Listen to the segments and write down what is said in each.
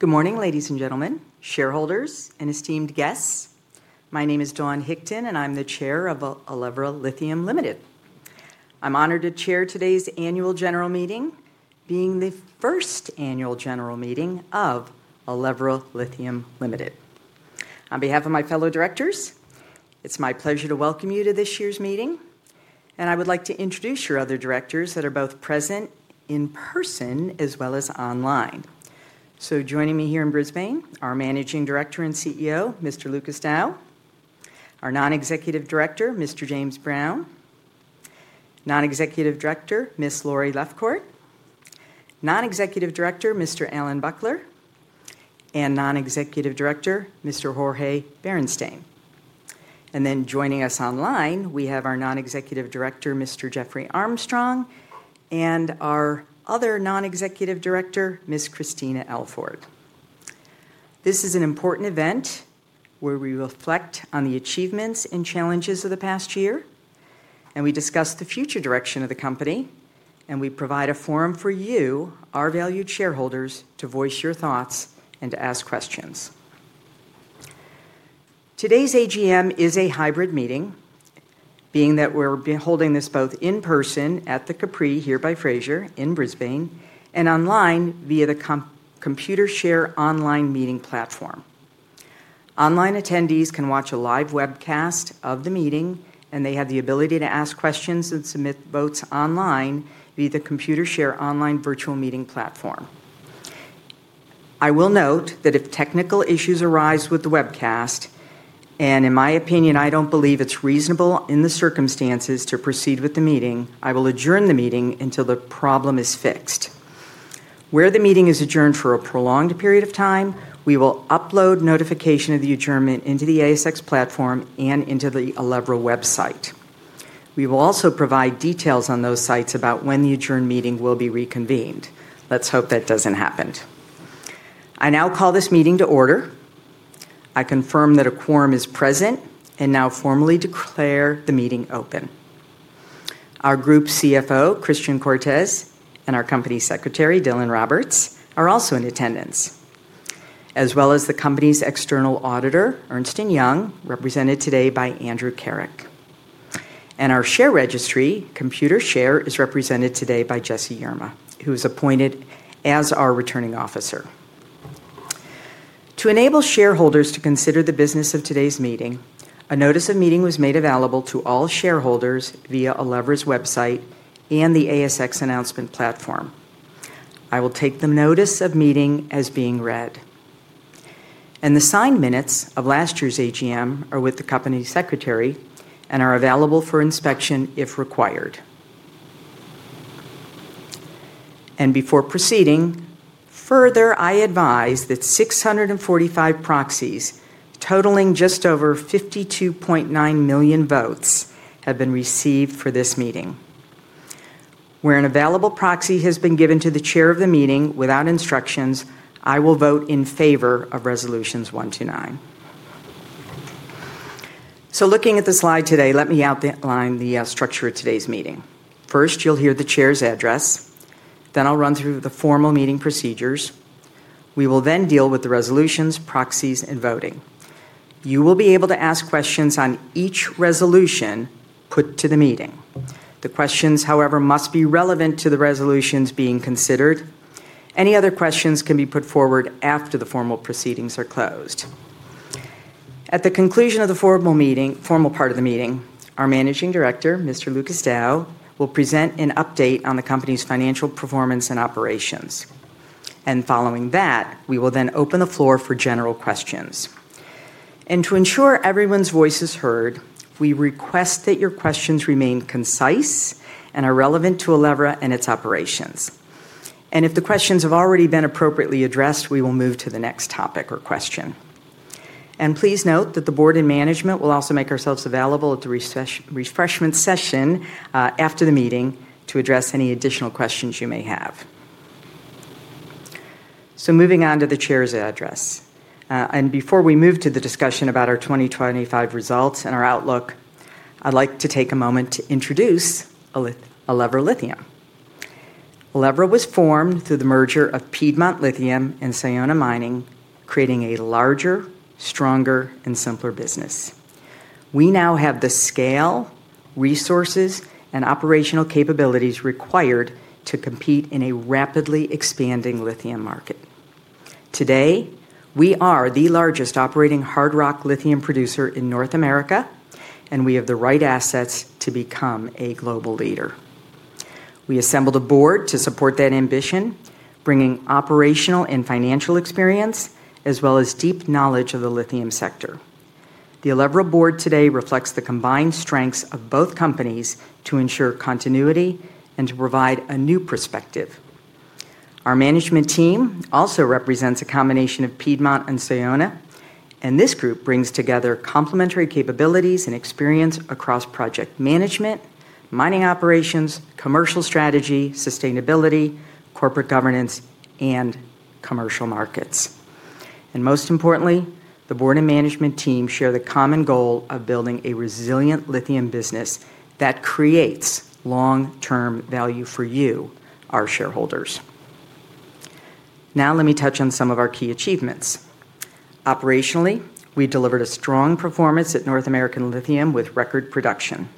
Good morning, ladies and gentlemen, shareholders, and esteemed guests. My name is Dawne Hickton, and I'm the Chair of Elevra Lithium Limited. I'm honored to chair today's annual general meeting, being the first annual general meeting of Elevra Lithium Limited. On behalf of my fellow directors, it's my pleasure to welcome you to this year's meeting, and I would like to introduce your other directors that are both present in person as well as online. Joining me here in Brisbane are Managing Director and CEO, Mr. Lucas Dow, our Non-Executive Director, Mr. James Brown, Non-Executive Director, Ms. Laurie Lefcourt, Non-Executive Director, Mr. Allan Buckler, and Non-Executive Director, Mr. Jorge M. Beristain. Joining us online, we have our Non-Executive Director, Mr. Jeffrey Armstrong, and our other Non-Executive Director, Ms. Christina Alvord. This is an important event where we reflect on the achievements and challenges of the past year, and we discuss the future direction of the company, and we provide a forum for you, our valued shareholders, to voice your thoughts and to ask questions. Today's AGM is a hybrid meeting, being that we're holding this both in person at the Capri here by Fraser in Brisbane and online via the Computershare Online meeting platform. Online attendees can watch a live webcast of the meeting, and they have the ability to ask questions and submit votes online via the Computershare Online virtual meeting platform. I will note that if technical issues arise with the webcast, and in my opinion, I don't believe it's reasonable in the circumstances to proceed with the meeting, I will adjourn the meeting until the problem is fixed. Where the meeting is adjourned for a prolonged period of time, we will upload notification of the adjournment into the ASX platform and into the Elevra website. We will also provide details on those sites about when the adjourned meeting will be reconvened. Let's hope that doesn't happen. I now call this meeting to order. I confirm that a quorum is present and now formally declare the meeting open. Our Group CFO, Christian Cortez, and our Company Secretary, Dylan Roberts, are also in attendance, as well as the Company's External Auditor, Ernst & Young, represented today by Andrew Carrick. Our Share Registry, Computershare, is represented today by Jesse Yerma, who is appointed as our Returning Officer. To enable shareholders to consider the business of today's meeting, a Notice of Meeting was made available to all shareholders via Elevra's website and the ASX announcement platform. I will take the Notice of Meeting as being read. The signed minutes of last year's AGM are with the Company Secretary and are available for inspection if required. Before proceeding further, I advise that 645 proxies, totaling just over 52.9 million votes, have been received for this meeting. Where an available proxy has been given to the Chair of the meeting without instructions, I will vote in favor of Resolutions one to nine. Looking at the slide today, let me outline the structure of today's meeting. First, you'll hear the Chair's address. Then I'll run through the formal meeting procedures. We will then deal with the resolutions, proxies, and voting. You will be able to ask questions on each resolution put to the meeting. The questions, however, must be relevant to the resolutions being considered. Any other questions can be put forward after the formal proceedings are closed. At the conclusion of the formal part of the meeting, our Managing Director, Mr. Lucas Dow, will present an update on the Company's financial performance and operations. Following that, we will then open the floor for general questions. To ensure everyone's voice is heard, we request that your questions remain concise and are relevant to Elevra and its operations. If the questions have already been appropriately addressed, we will move to the next topic or question. Please note that the Board and Management will also make ourselves available at the refreshment session after the meeting to address any additional questions you may have. Moving on to the Chair's address. Before we move to the discussion about our 2025 results and our outlook, I'd like to take a moment to introduce Elevra Lithium. Elevra was formed through the merger of Piedmont Lithium and Sayona Mining, creating a larger, stronger, and simpler business. We now have the scale, resources, and operational capabilities required to compete in a rapidly expanding lithium market. Today, we are the largest operating hard rock lithium producer in North America, and we have the right assets to become a global leader. We assembled a board to support that ambition, bringing operational and financial experience, as well as deep knowledge of the lithium sector. The Elevra board today reflects the combined strengths of both companies to ensure continuity and to provide a new perspective. Our management team also represents a combination of Piedmont and Sayona, and this group brings together complementary capabilities and experience across project management, mining operations, commercial strategy, sustainability, corporate governance, and commercial markets. Most importantly, the Board and Management team share the common goal of building a resilient lithium business that creates long-term value for you, our shareholders. Now let me touch on some of our key achievements. Operationally, we delivered a strong performance at North American Lithium with record production.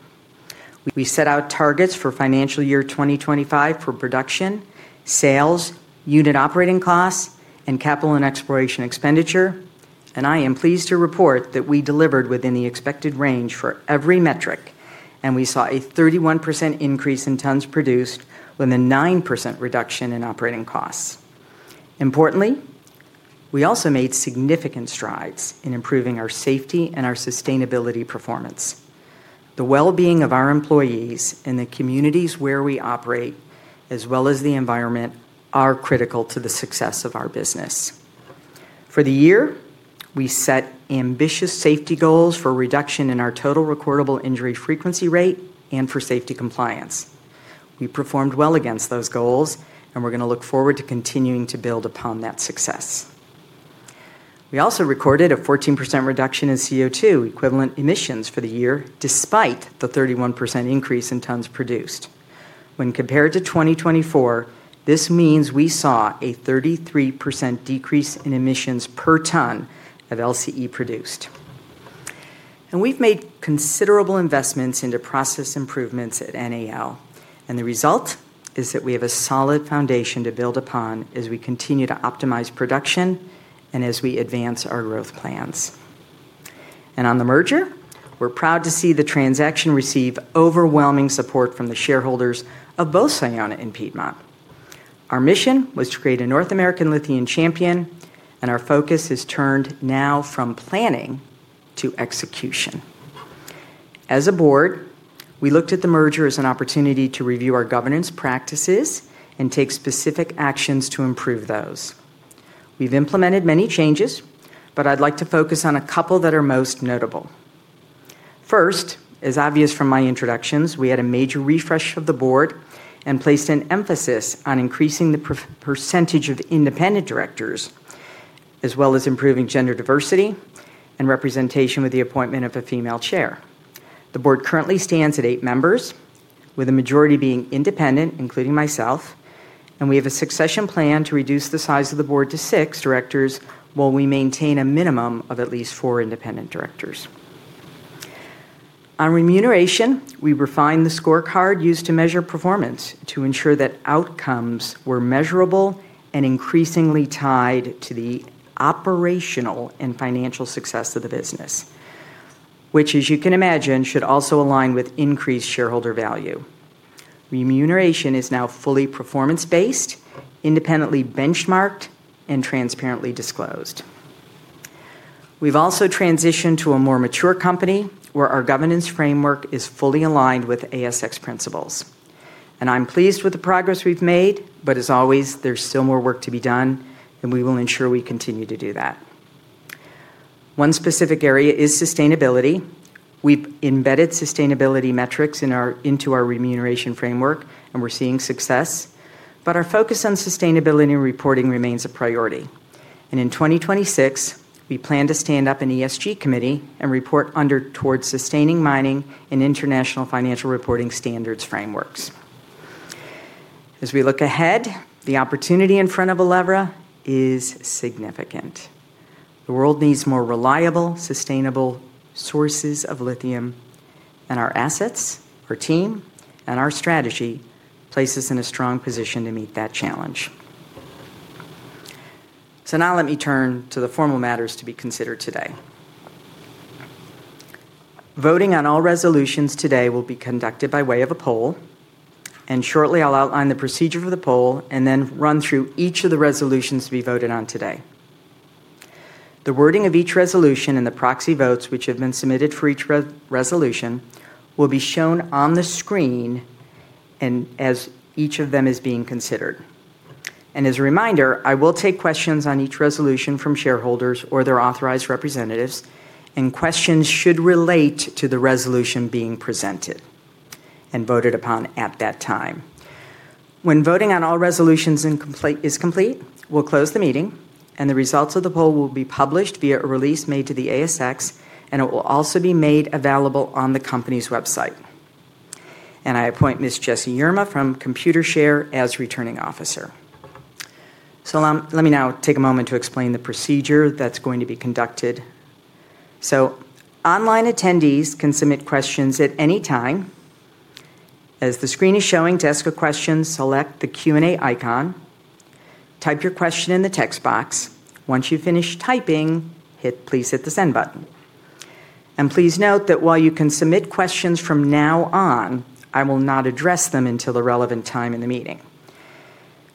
We set out targets for financial year 2025 for production, sales, unit operating costs, and capital and exploration expenditure, and I am pleased to report that we delivered within the expected range for every metric, and we saw a 31% increase in tons produced with a 9% reduction in operating costs. Importantly, we also made significant strides in improving our safety and our sustainability performance. The well-being of our employees and the communities where we operate, as well as the environment, are critical to the success of our business. For the year, we set ambitious safety goals for reduction in our total recordable injury frequency rate and for safety compliance. We performed well against those goals, and we are going to look forward to continuing to build upon that success. We also recorded a 14% reduction in CO2 equivalent emissions for the year despite the 31% increase in tons produced. When compared to 2024, this means we saw a 33% decrease in emissions per ton of LCE produced. We have made considerable investments into process improvements at NAL, and the result is that we have a solid foundation to build upon as we continue to optimize production and as we advance our growth plans. On the merger, we're proud to see the transaction receive overwhelming support from the shareholders of both Sayona and Piedmont. Our mission was to create a North American Lithium champion, and our focus has turned now from planning to execution. As a board, we looked at the merger as an opportunity to review our governance practices and take specific actions to improve those. We've implemented many changes, but I'd like to focus on a couple that are most notable. First, as obvious from my introductions, we had a major refresh of the board and placed an emphasis on increasing the percentage of independent directors, as well as improving gender diversity and representation with the appointment of a female chair. The board currently stands at eight members, with a majority being independent, including myself, and we have a succession plan to reduce the size of the board to six directors while we maintain a minimum of at least four independent directors. On remuneration, we refined the scorecard used to measure performance to ensure that outcomes were measurable and increasingly tied to the operational and financial success of the business, which, as you can imagine, should also align with increased shareholder value. Remuneration is now fully performance-based, independently benchmarked, and transparently disclosed. We have also transitioned to a more mature company where our governance framework is fully aligned with ASX principles. I am pleased with the progress we have made, but as always, there is still more work to be done, and we will ensure we continue to do that. One specific area is sustainability. We've embedded sustainability metrics into our remuneration framework, and we're seeing success, but our focus on sustainability and reporting remains a priority. In 2026, we plan to stand up an ESG committee and report under towards sustaining mining and international financial reporting standards frameworks. As we look ahead, the opportunity in front of Elevra is significant. The world needs more reliable, sustainable sources of lithium, and our assets, our team, and our strategy place us in a strong position to meet that challenge. Now let me turn to the formal matters to be considered today. Voting on all resolutions today will be conducted by way of a poll, and shortly I'll outline the procedure for the poll and then run through each of the resolutions to be voted on today. The wording of each resolution and the proxy votes which have been submitted for each resolution will be shown on the screen as each of them is being considered. As a reminder, I will take questions on each resolution from shareholders or their authorized representatives, and questions should relate to the resolution being presented and voted upon at that time. When voting on all resolutions is complete, we'll close the meeting, and the results of the poll will be published via a release made to the ASX, and it will also be made available on the Company's website. I appoint Ms. Jesse Yerma from Computershare as Returning Officer. Let me now take a moment to explain the procedure that's going to be conducted. Online attendees can submit questions at any time. As the screen is showing, to ask a question, select the Q&A icon. Type your question in the text box. Once you finish typing, please hit the send button. Please note that while you can submit questions from now on, I will not address them until the relevant time in the meeting.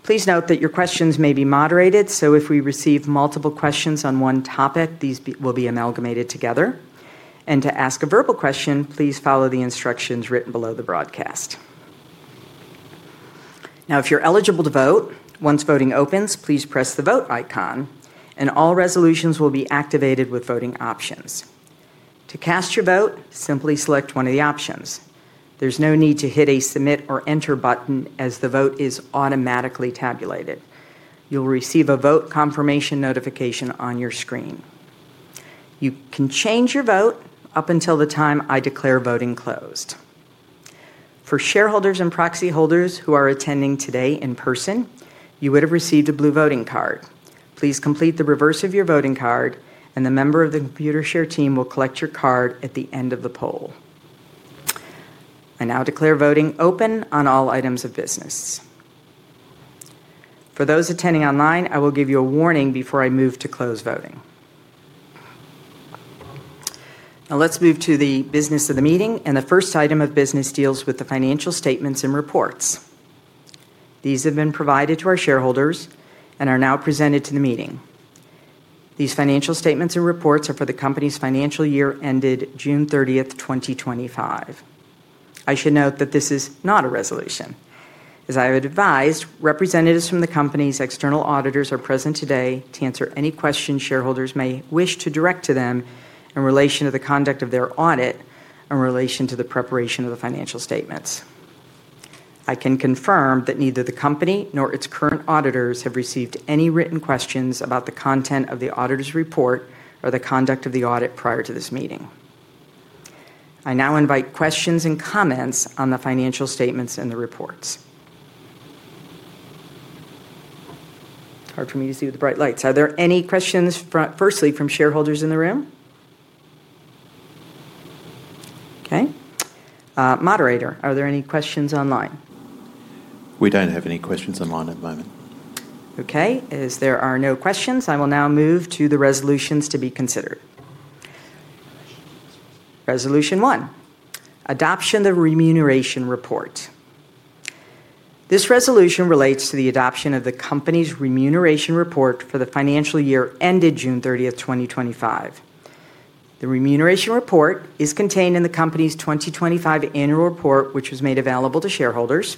Please note that your questions may be moderated, so if we receive multiple questions on one topic, these will be amalgamated together. To ask a verbal question, please follow the instructions written below the broadcast. If you're eligible to vote, once voting opens, please press the vote icon, and all resolutions will be activated with voting options. To cast your vote, simply select one of the options. There's no need to hit a submit or enter button as the vote is automatically tabulated. You'll receive a vote confirmation notification on your screen. You can change your vote up until the time I declare voting closed. For shareholders and proxy holders who are attending today in person, you would have received a blue voting card. Please complete the reverse of your voting card, and the member of the Computershare team will collect your card at the end of the poll. I now declare voting open on all items of business. For those attending online, I will give you a warning before I move to close voting. Now let's move to the business of the meeting, and the first item of business deals with the financial statements and reports. These have been provided to our shareholders and are now presented to the meeting. These financial statements and reports are for the Company's financial year ended June 30th, 2025. I should note that this is not a resolution. As I have advised, representatives from the Company's external auditors are present today to answer any questions shareholders may wish to direct to them in relation to the conduct of their audit in relation to the preparation of the financial statements. I can confirm that neither the Company nor its current auditors have received any written questions about the content of the auditor's report or the conduct of the audit prior to this meeting. I now invite questions and comments on the financial statements and the reports. It's hard for me to see with the bright lights. Are there any questions, firstly, from shareholders in the room? Okay. Moderator, are there any questions online? We don't have any questions online at the moment. Okay. As there are no questions, I will now move to the resolutions to be considered. Resolution one, Adoption of the Remuneration Report. This resolution relates to the adoption of the Company's remuneration report for the financial year ended June 30th, 2025. The remuneration report is contained in the Company's 2025 annual report, which was made available to shareholders.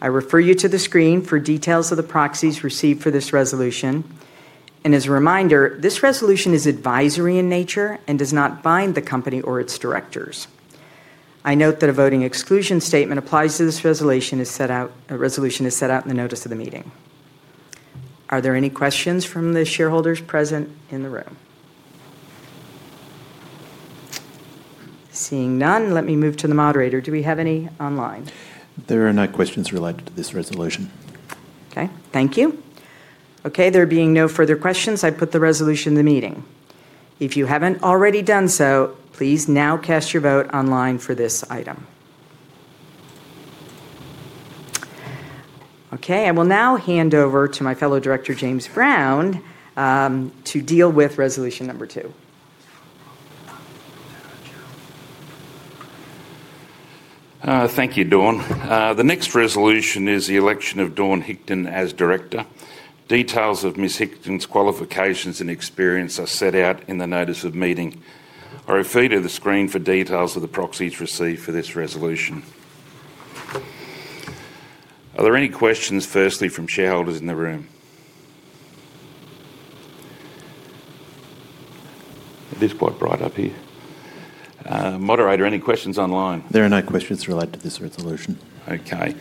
I refer you to the screen for details of the proxies received for this resolution. As a reminder, this resolution is advisory in nature and does not bind the Company or its directors. I note that a voting exclusion statement applies to this resolution as set out in the notice of the meeting. Are there any questions from the shareholders present in the room? Seeing none, let me move to the moderator. Do we have any online? There are no questions related to this resolution. Okay. Thank you. Okay. There being no further questions, I put the resolution to the meeting. If you haven't already done so, please now cast your vote online for this item. Okay. I will now hand over to my fellow director, James Brown, to deal with resolution number two. Thank you, Dawn. The next resolution is the election of Dawn Hickton as director. Details of Ms. Hickton's qualifications and experience are set out in the notice of meeting. I refer you to the screen for details of the proxies received for this resolution. Are there any questions, firstly, from shareholders in the room? It is quite bright up here. Moderator, any questions online? There are no questions related to this resolution. Okay.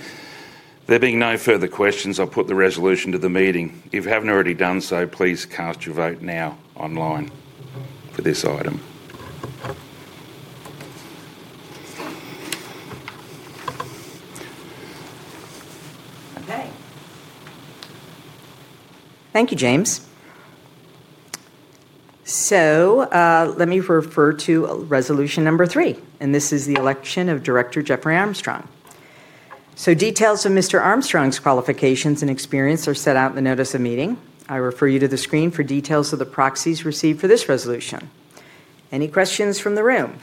There being no further questions, I'll put the resolution to the meeting. If you haven't already done so, please cast your vote now online for this item. Okay. Thank you, James. Let me refer to resolution number three, and this is the election of Director Jeffrey Armstrong. Details of Mr. Armstrong's qualifications and experience are set out in the notice of meeting. I refer you to the screen for details of the proxies received for this resolution. Any questions from the room?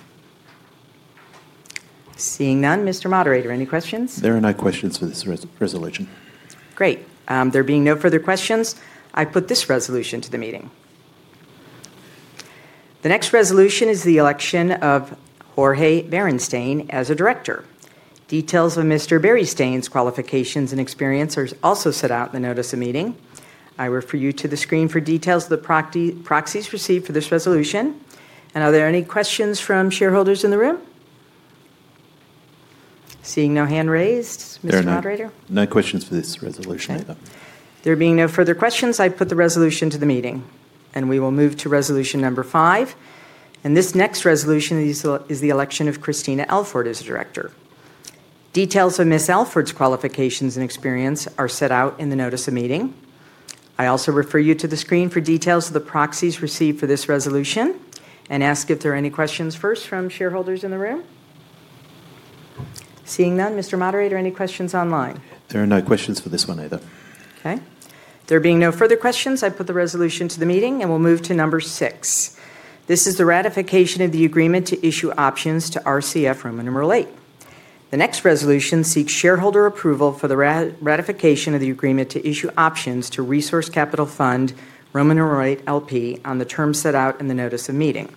Seeing none, Mr. Moderator, any questions? There are no questions for this resolution. Great. There being no further questions, I put this resolution to the meeting. The next resolution is the election of Jorge Berenstein as a director. Details of Mr. Berenstein's qualifications and experience are also set out in the notice of meeting. I refer you to the screen for details of the proxies received for this resolution. Are there any questions from shareholders in the room? Seeing no hand raised, Mr. Moderator? No questions for this resolution either. Okay. There being no further questions, I put the resolution to the meeting, and we will move to resolution number five. This next resolution is the election of Christina Alvord as a director. Details of Ms. Alvord's qualifications and experience are set out in the notice of meeting. I also refer you to the screen for details of the proxies received for this resolution and ask if there are any questions first from shareholders in the room. Seeing none, Mr. Moderator, any questions online? There are no questions for this one either. Okay. There being no further questions, I put the resolution to the meeting, and we will move to number six. This is the ratification of the agreement to issue options to Resource Capital Fund VIII. The next resolution seeks shareholder approval for the ratification of the agreement to issue options to Resource Capital Fund VIII LP on the terms set out in the notice of meeting.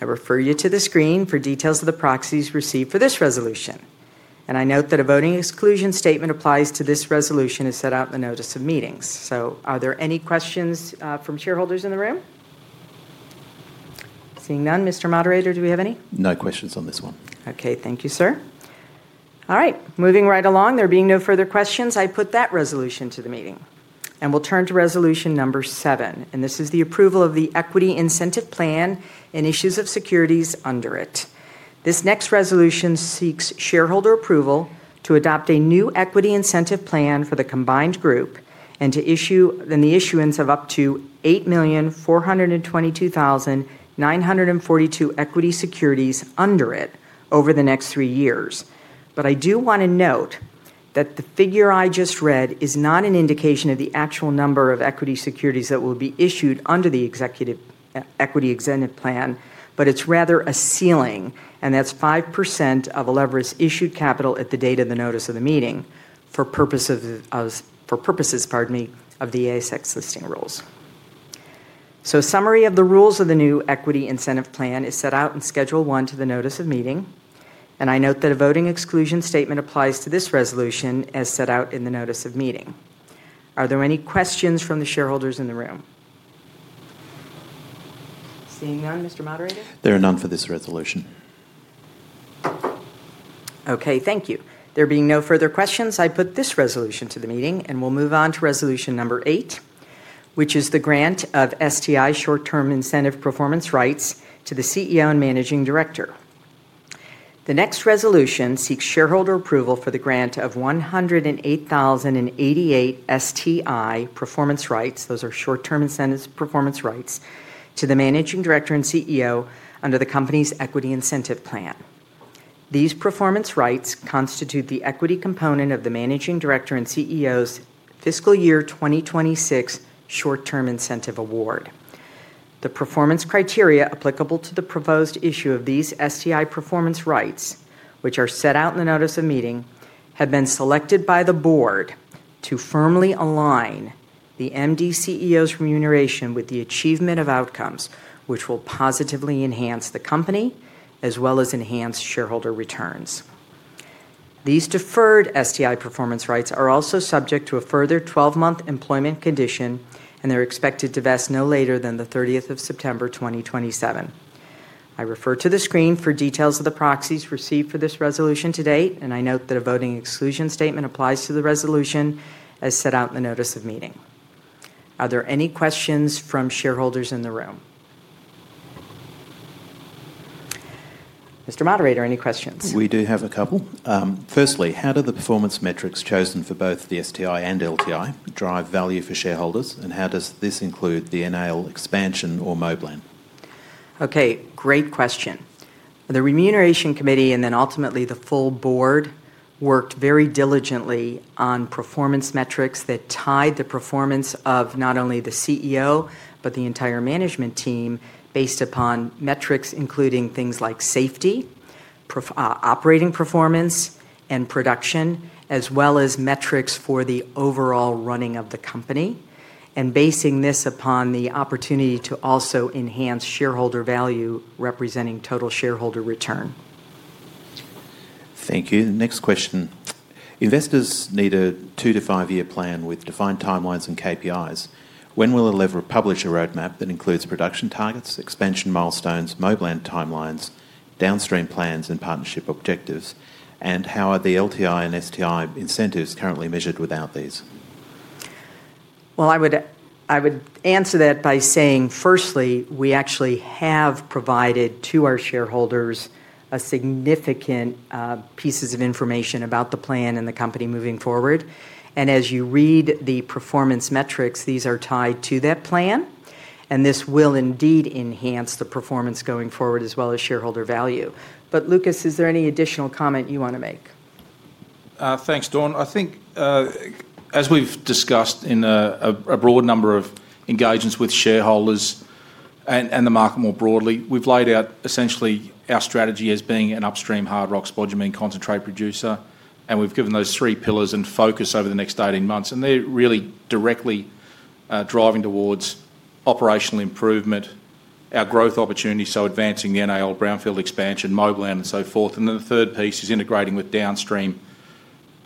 I refer you to the screen for details of the proxies received for this resolution. I note that a voting exclusion statement applies to this resolution as set out in the notice of meeting. Are there any questions from shareholders in the room? Seeing none, Mr. Moderator, do we have any? No questions on this one. Okay. Thank you, sir. All right. Moving right along, there being no further questions, I put that resolution to the meeting. We will turn to resolution number seven. This is the approval of the equity incentive plan and issues of securities under it. This next resolution seeks shareholder approval to adopt a new equity incentive plan for the combined group and to issue the issuance of up to 8,422,942 equity securities under it over the next three years. I do want to note that the figure I just read is not an indication of the actual number of equity securities that will be issued under the executive equity incentive plan, but it is rather a ceiling, and that is 5% of Elevra issued capital at the date of the notice of the meeting for purposes, pardon me, of the ASX listing rules. A summary of the rules of the new equity incentive plan is set out in schedule one to the notice of meeting. I note that a voting exclusion statement applies to this resolution as set out in the notice of meeting. Are there any questions from the shareholders in the room? Seeing none, Mr. Moderator. There are none for this resolution. Okay. Thank you. There being no further questions, I put this resolution to the meeting, and we'll move on to resolution number eight, which is the grant of STI short-term incentive performance rights to the CEO and Managing Director. The next resolution seeks shareholder approval for the grant of 108,088 STI performance rights, those are short-term incentive performance rights to the Managing Director and CEO under the Company's equity incentive plan. These performance rights constitute the equity component of the Managing Director and CEO's fiscal year 2026 short-term incentive award. The performance criteria applicable to the proposed issue of these STI performance rights, which are set out in the notice of meeting, have been selected by the board to firmly align the MD CEO's remuneration with the achievement of outcomes, which will positively enhance the company as well as enhance shareholder returns. These deferred STI performance rights are also subject to a further 12-month employment condition, and they're expected to vest no later than the 30th of September 2027. I refer to the screen for details of the proxies received for this resolution to date, and I note that a voting exclusion statement applies to the resolution as set out in the notice of meeting. Are there any questions from shareholders in the room? Mr. Moderator, any questions? We do have a couple. Firstly, how do the performance metrics chosen for both the STI and LTI drive value for shareholders, and how does this include the NAL expansion or Moblan? Okay. Great question. The remuneration committee and then ultimately the full board worked very diligently on performance metrics that tied the performance of not only the CEO, but the entire management team based upon metrics including things like safety, operating performance, and production, as well as metrics for the overall running of the company, and basing this upon the opportunity to also enhance shareholder value representing total shareholder return. Thank you. Next question. Investors need a two-to-five-year plan with defined timelines and KPIs. When will Elevra publish a roadmap that includes production targets, expansion milestones, Moblan timelines, downstream plans, and partnership objectives? How are the LTI and STI incentives currently measured without these? I would answer that by saying, firstly, we actually have provided to our shareholders significant pieces of information about the plan and the company moving forward. As you read the performance metrics, these are tied to that plan, and this will indeed enhance the performance going forward as well as shareholder value. Lucas, is there any additional comment you want to make? Thanks, Dawn. I think as we've discussed in a broad number of engagements with shareholders and the market more broadly, we've laid out essentially our strategy as being an upstream hard rock spodumene concentrate producer, and we've given those three pillars and focus over the next 18 months. They are really directly driving towards operational improvement, our growth opportunities, so advancing the NAL Brownfield expansion, Moblan, and so forth. The third piece is integrating with downstream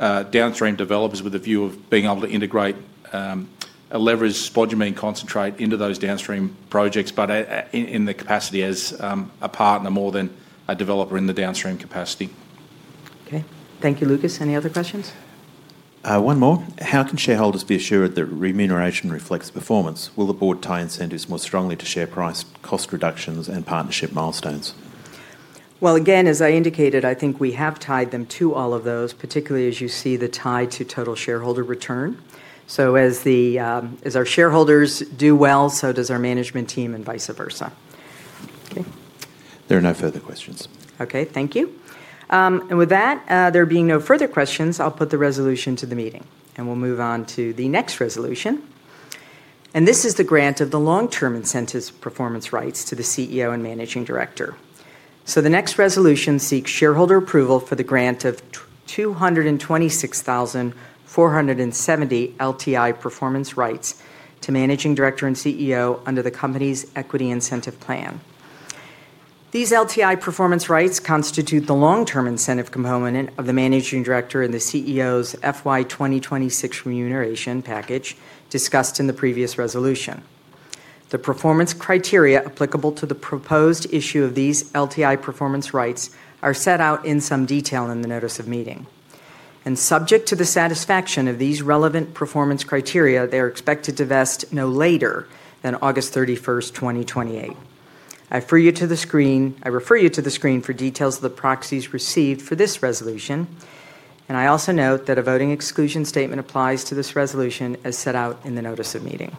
developers with a view of being able to integrate a leveraged spodumene concentrate into those downstream projects, but in the capacity as a partner more than a developer in the downstream capacity. Okay. Thank you, Lucas. Any other questions? One more. How can shareholders be assured that remuneration reflects performance? Will the board tie incentives more strongly to share price, cost reductions, and partnership milestones? As I indicated, I think we have tied them to all of those, particularly as you see the tie to total shareholder return. So as our shareholders do well, so does our management team and vice versa. There are no further questions. Okay. Thank you. With that, there being no further questions, I'll put the resolution to the meeting, and we'll move on to the next resolution. This is the grant of the long-term incentives performance rights to the CEO and Managing Director. The next resolution seeks shareholder approval for the grant of 226,470 LTI performance rights to Managing Director and CEO under the Company's equity incentive plan. These LTI performance rights constitute the long-term incentive component of the Managing Director and the CEO's FY 2026 remuneration package discussed in the previous resolution. The performance criteria applicable to the proposed issue of these LTI performance rights are set out in some detail in the notice of meeting. Subject to the satisfaction of these relevant performance criteria, they are expected to vest no later than August 31st, 2028. I refer you to the screen. I refer you to the screen for details of the proxies received for this resolution. I also note that a voting exclusion statement applies to this resolution as set out in the notice of meeting.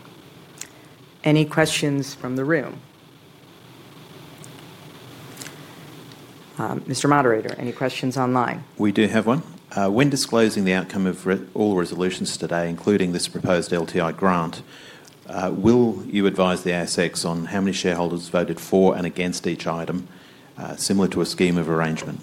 Any questions from the room? Mr. Moderator, any questions online? We do have one. When disclosing the outcome of all resolutions today, including this proposed LTI grant, will you advise the ASX on how many shareholders voted for and against each item, similar to a scheme of arrangement?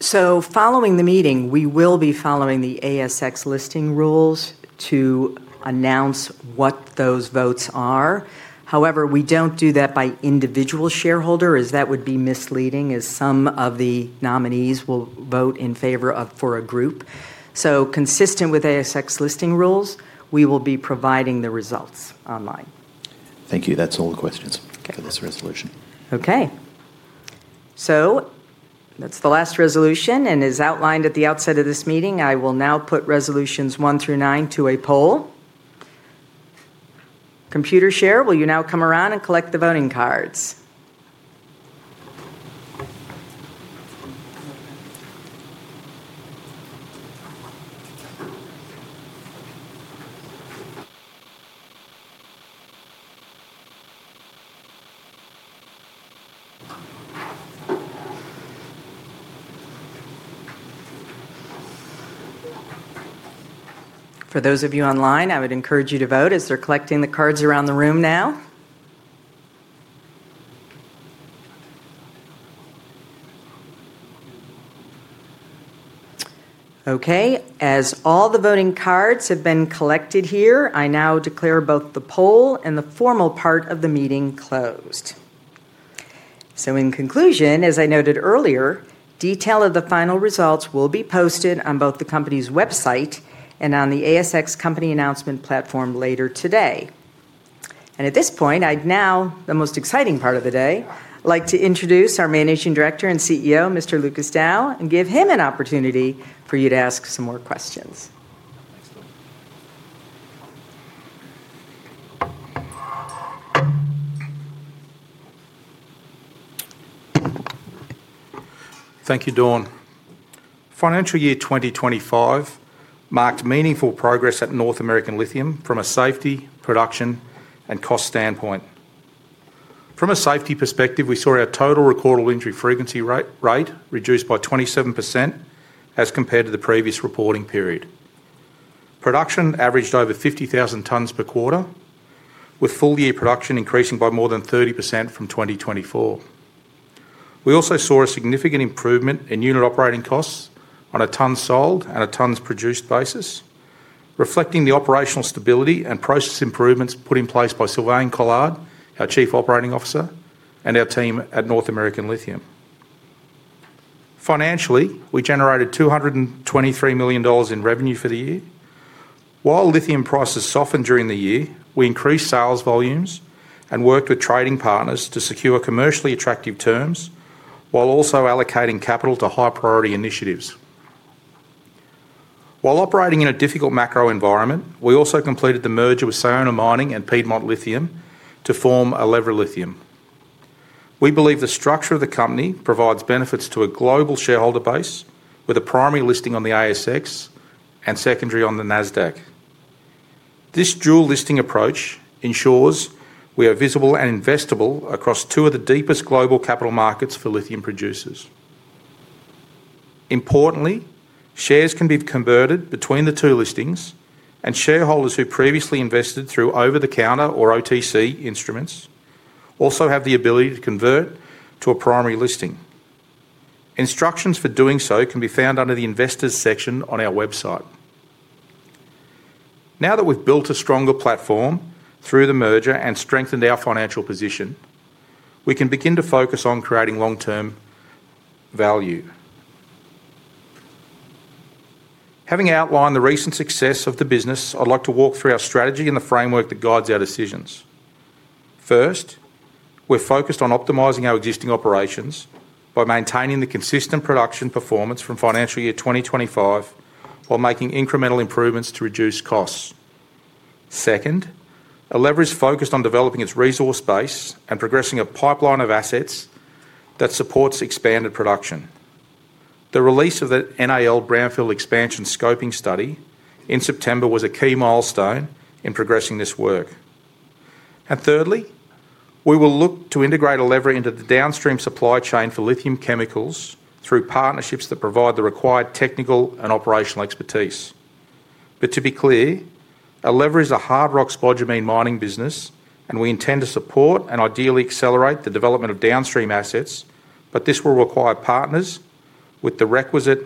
Following the meeting, we will be following the ASX listing rules to announce what those votes are. However, we don't do that by individual shareholder, as that would be misleading, as some of the nominees will vote in favor of for a group. Consistent with ASX listing rules, we will be providing the results online. Thank you. That's all the questions for this resolution. Okay. That is the last resolution. As outlined at the outset of this meeting, I will now put resolutions one through nine to a poll. Computershare, will you now come around and collect the voting cards? For those of you online, I would encourage you to vote as they are collecting the cards around the room now. As all the voting cards have been collected here, I now declare both the poll and the formal part of the meeting closed. In conclusion, as I noted earlier, detail of the final results will be posted on both the company's website and on the ASX Company Announcement platform later today. At this point, the most exciting part of the day, I would like to introduce our Managing Director and CEO, Mr. Lucas Dow, and give him an opportunity for you to ask some more questions. Thank you, Dawn. Financial year 2025 marked meaningful progress at North American Lithium from a safety, production, and cost standpoint. From a safety perspective, we saw our total recordable injury frequency rate reduced by 27% as compared to the previous reporting period. Production averaged over 50,000 tons per quarter, with full-year production increasing by more than 30% from 2024. We also saw a significant improvement in unit operating costs on a ton sold and a ton produced basis, reflecting the operational stability and process improvements put in place by Sylvain Collard, our Chief Operating Officer, and our team at North American Lithium. Financially, we generated $223 million in revenue for the year. While lithium prices softened during the year, we increased sales volumes and worked with trading partners to secure commercially attractive terms while also allocating capital to high-priority initiatives. While operating in a difficult macro environment, we also completed the merger with Sayona Mining and Piedmont Lithium to form Elevra Lithium. We believe the structure of the company provides benefits to a global shareholder base with a primary listing on the ASX and secondary on the NASDAQ. This dual-listing approach ensures we are visible and investable across two of the deepest global capital markets for lithium producers. Importantly, shares can be converted between the two listings, and shareholders who previously invested through over-the-counter or OTC instruments also have the ability to convert to a primary listing. Instructions for doing so can be found under the investors section on our website. Now that we've built a stronger platform through the merger and strengthened our financial position, we can begin to focus on creating long-term value. Having outlined the recent success of the business, I'd like to walk through our strategy and the framework that guides our decisions. First, we're focused on optimizing our existing operations by maintaining the consistent production performance from financial year 2025 while making incremental improvements to reduce costs. Second, Elevra is focused on developing its resource base and progressing a pipeline of assets that supports expanded production. The release of the NAL Brownfield Expansion scoping study in September was a key milestone in progressing this work. Thirdly, we will look to integrate Elevra into the downstream supply chain for lithium chemicals through partnerships that provide the required technical and operational expertise. To be clear, Elevra is a hard rock spodumene mining business, and we intend to support and ideally accelerate the development of downstream assets, but this will require partners with the requisite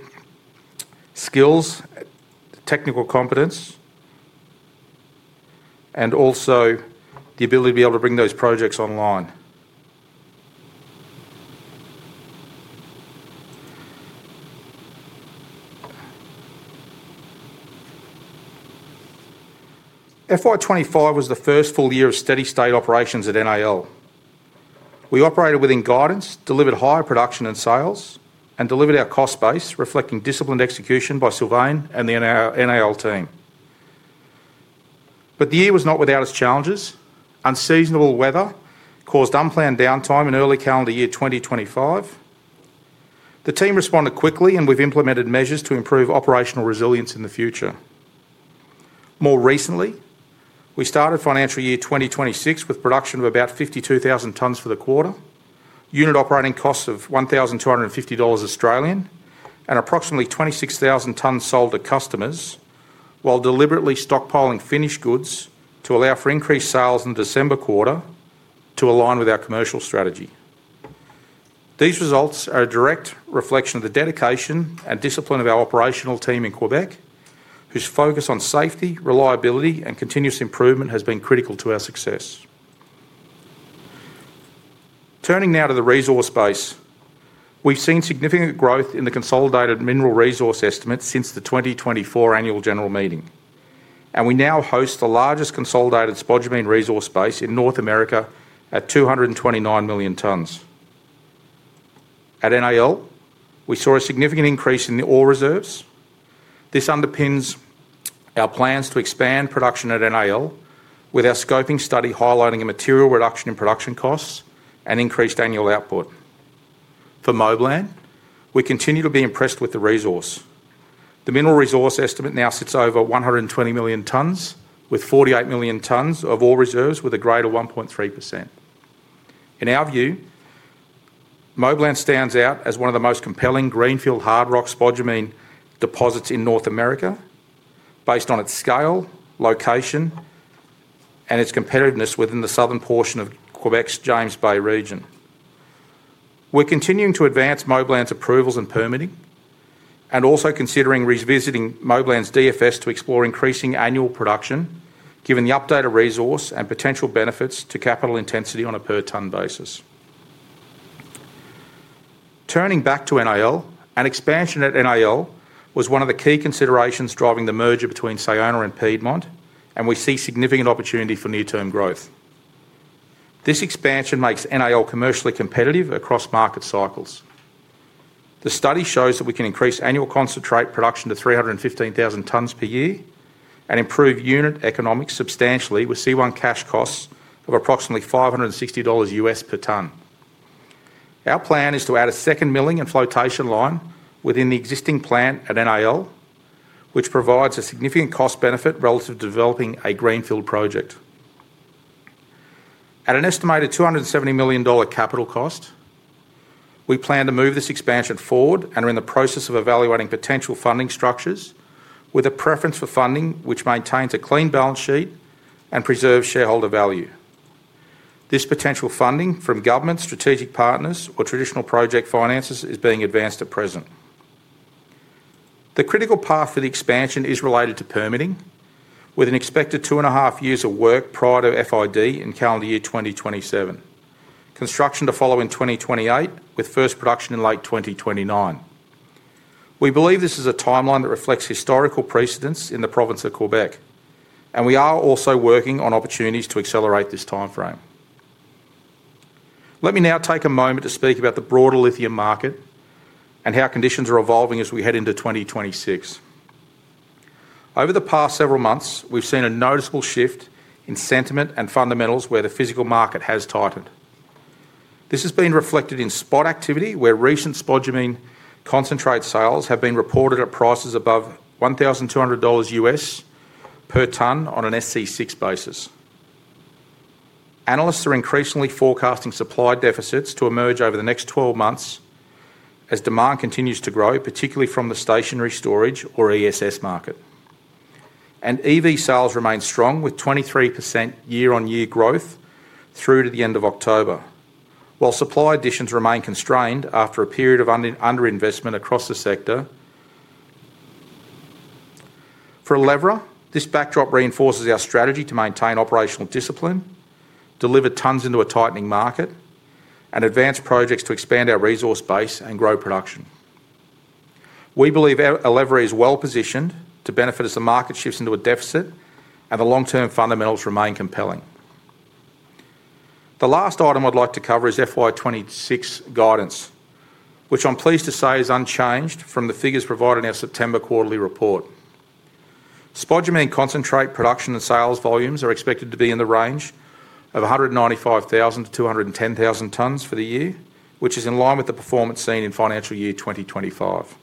skills, technical competence, and also the ability to be able to bring those projects online. FY 2025 was the first full year of steady-state operations at NAL. We operated within guidance, delivered higher production and sales, and delivered our cost base, reflecting disciplined execution by Sylvain and the NAL team. The year was not without its challenges. Unseasonable weather caused unplanned downtime in early calendar year 2025. The team responded quickly, and we've implemented measures to improve operational resilience in the future. More recently, we started financial year 2026 with production of about 52,000 tons for the quarter, unit operating costs of 1,250 Australian dollars and approximately 26,000 tons sold to customers, while deliberately stockpiling finished goods to allow for increased sales in the December quarter to align with our commercial strategy. These results are a direct reflection of the dedication and discipline of our operational team in Québec, whose focus on safety, reliability, and continuous improvement has been critical to our success. Turning now to the resource base, we've seen significant growth in the consolidated mineral resource estimates since the 2024 annual general meeting, and we now host the largest consolidated spodumene resource base in North America at 229 million tons. At NAL, we saw a significant increase in the ore reserves. This underpins our plans to expand production at NAL, with our scoping study highlighting a material reduction in production costs and increased annual output. For Moblan, we continue to be impressed with the resource. The mineral resource estimate now sits over 120 million tons, with 48 million tons of ore reserves with a grade of 1.3%. In our view, Moblan stands out as one of the most compelling greenfield hard rock spodumene deposits in North America, based on its scale, location, and its competitiveness within the southern portion of Québec's James Bay region. We're continuing to advance Moblan's approvals and permitting, and also considering revisiting Moblan's DFS to explore increasing annual production, given the updated resource and potential benefits to capital intensity on a per-ton basis. Turning back to NAL, an expansion at NAL was one of the key considerations driving the merger between Sayona and Piedmont, and we see significant opportunity for near-term growth. This expansion makes NAL commercially competitive across market cycles. The study shows that we can increase annual concentrate production to 315,000 tons per year and improve unit economics substantially with C1 cash costs of approximately $560 US per ton. Our plan is to add a second milling and flotation line within the existing plant at NAL, which provides a significant cost benefit relative to developing a greenfield project. At an estimated $270 million capital cost, we plan to move this expansion forward and are in the process of evaluating potential funding structures with a preference for funding which maintains a clean balance sheet and preserves shareholder value. This potential funding from government, strategic partners, or traditional project finances is being advanced at present. The critical path for the expansion is related to permitting, with an expected two and a half years of work prior to FID in calendar year 2027, construction to follow in 2028, with first production in late 2029. We believe this is a timeline that reflects historical precedents in the province of Québec, and we are also working on opportunities to accelerate this timeframe. Let me now take a moment to speak about the broader lithium market and how conditions are evolving as we head into 2026. Over the past several months, we've seen a noticeable shift in sentiment and fundamentals where the physical market has tightened. This has been reflected in spot activity where recent spodumene concentrate sales have been reported at prices above $1,200 US per ton on an SC6 basis. Analysts are increasingly forecasting supply deficits to emerge over the next 12 months as demand continues to grow, particularly from the stationary storage or ESS market. EV sales remain strong with 23% year-on-year growth through to the end of October, while supply additions remain constrained after a period of underinvestment across the sector. For Elevra, this backdrop reinforces our strategy to maintain operational discipline, deliver tons into a tightening market, and advance projects to expand our resource base and grow production. We believe Elevra is well positioned to benefit as the market shifts into a deficit and the long-term fundamentals remain compelling. The last item I'd like to cover is FY 2026 guidance, which I'm pleased to say is unchanged from the figures provided in our September quarterly report. Spodumene concentrate production and sales volumes are expected to be in the range of 195,000-210,000 tons for the year, which is in line with the performance seen in financial year 2025.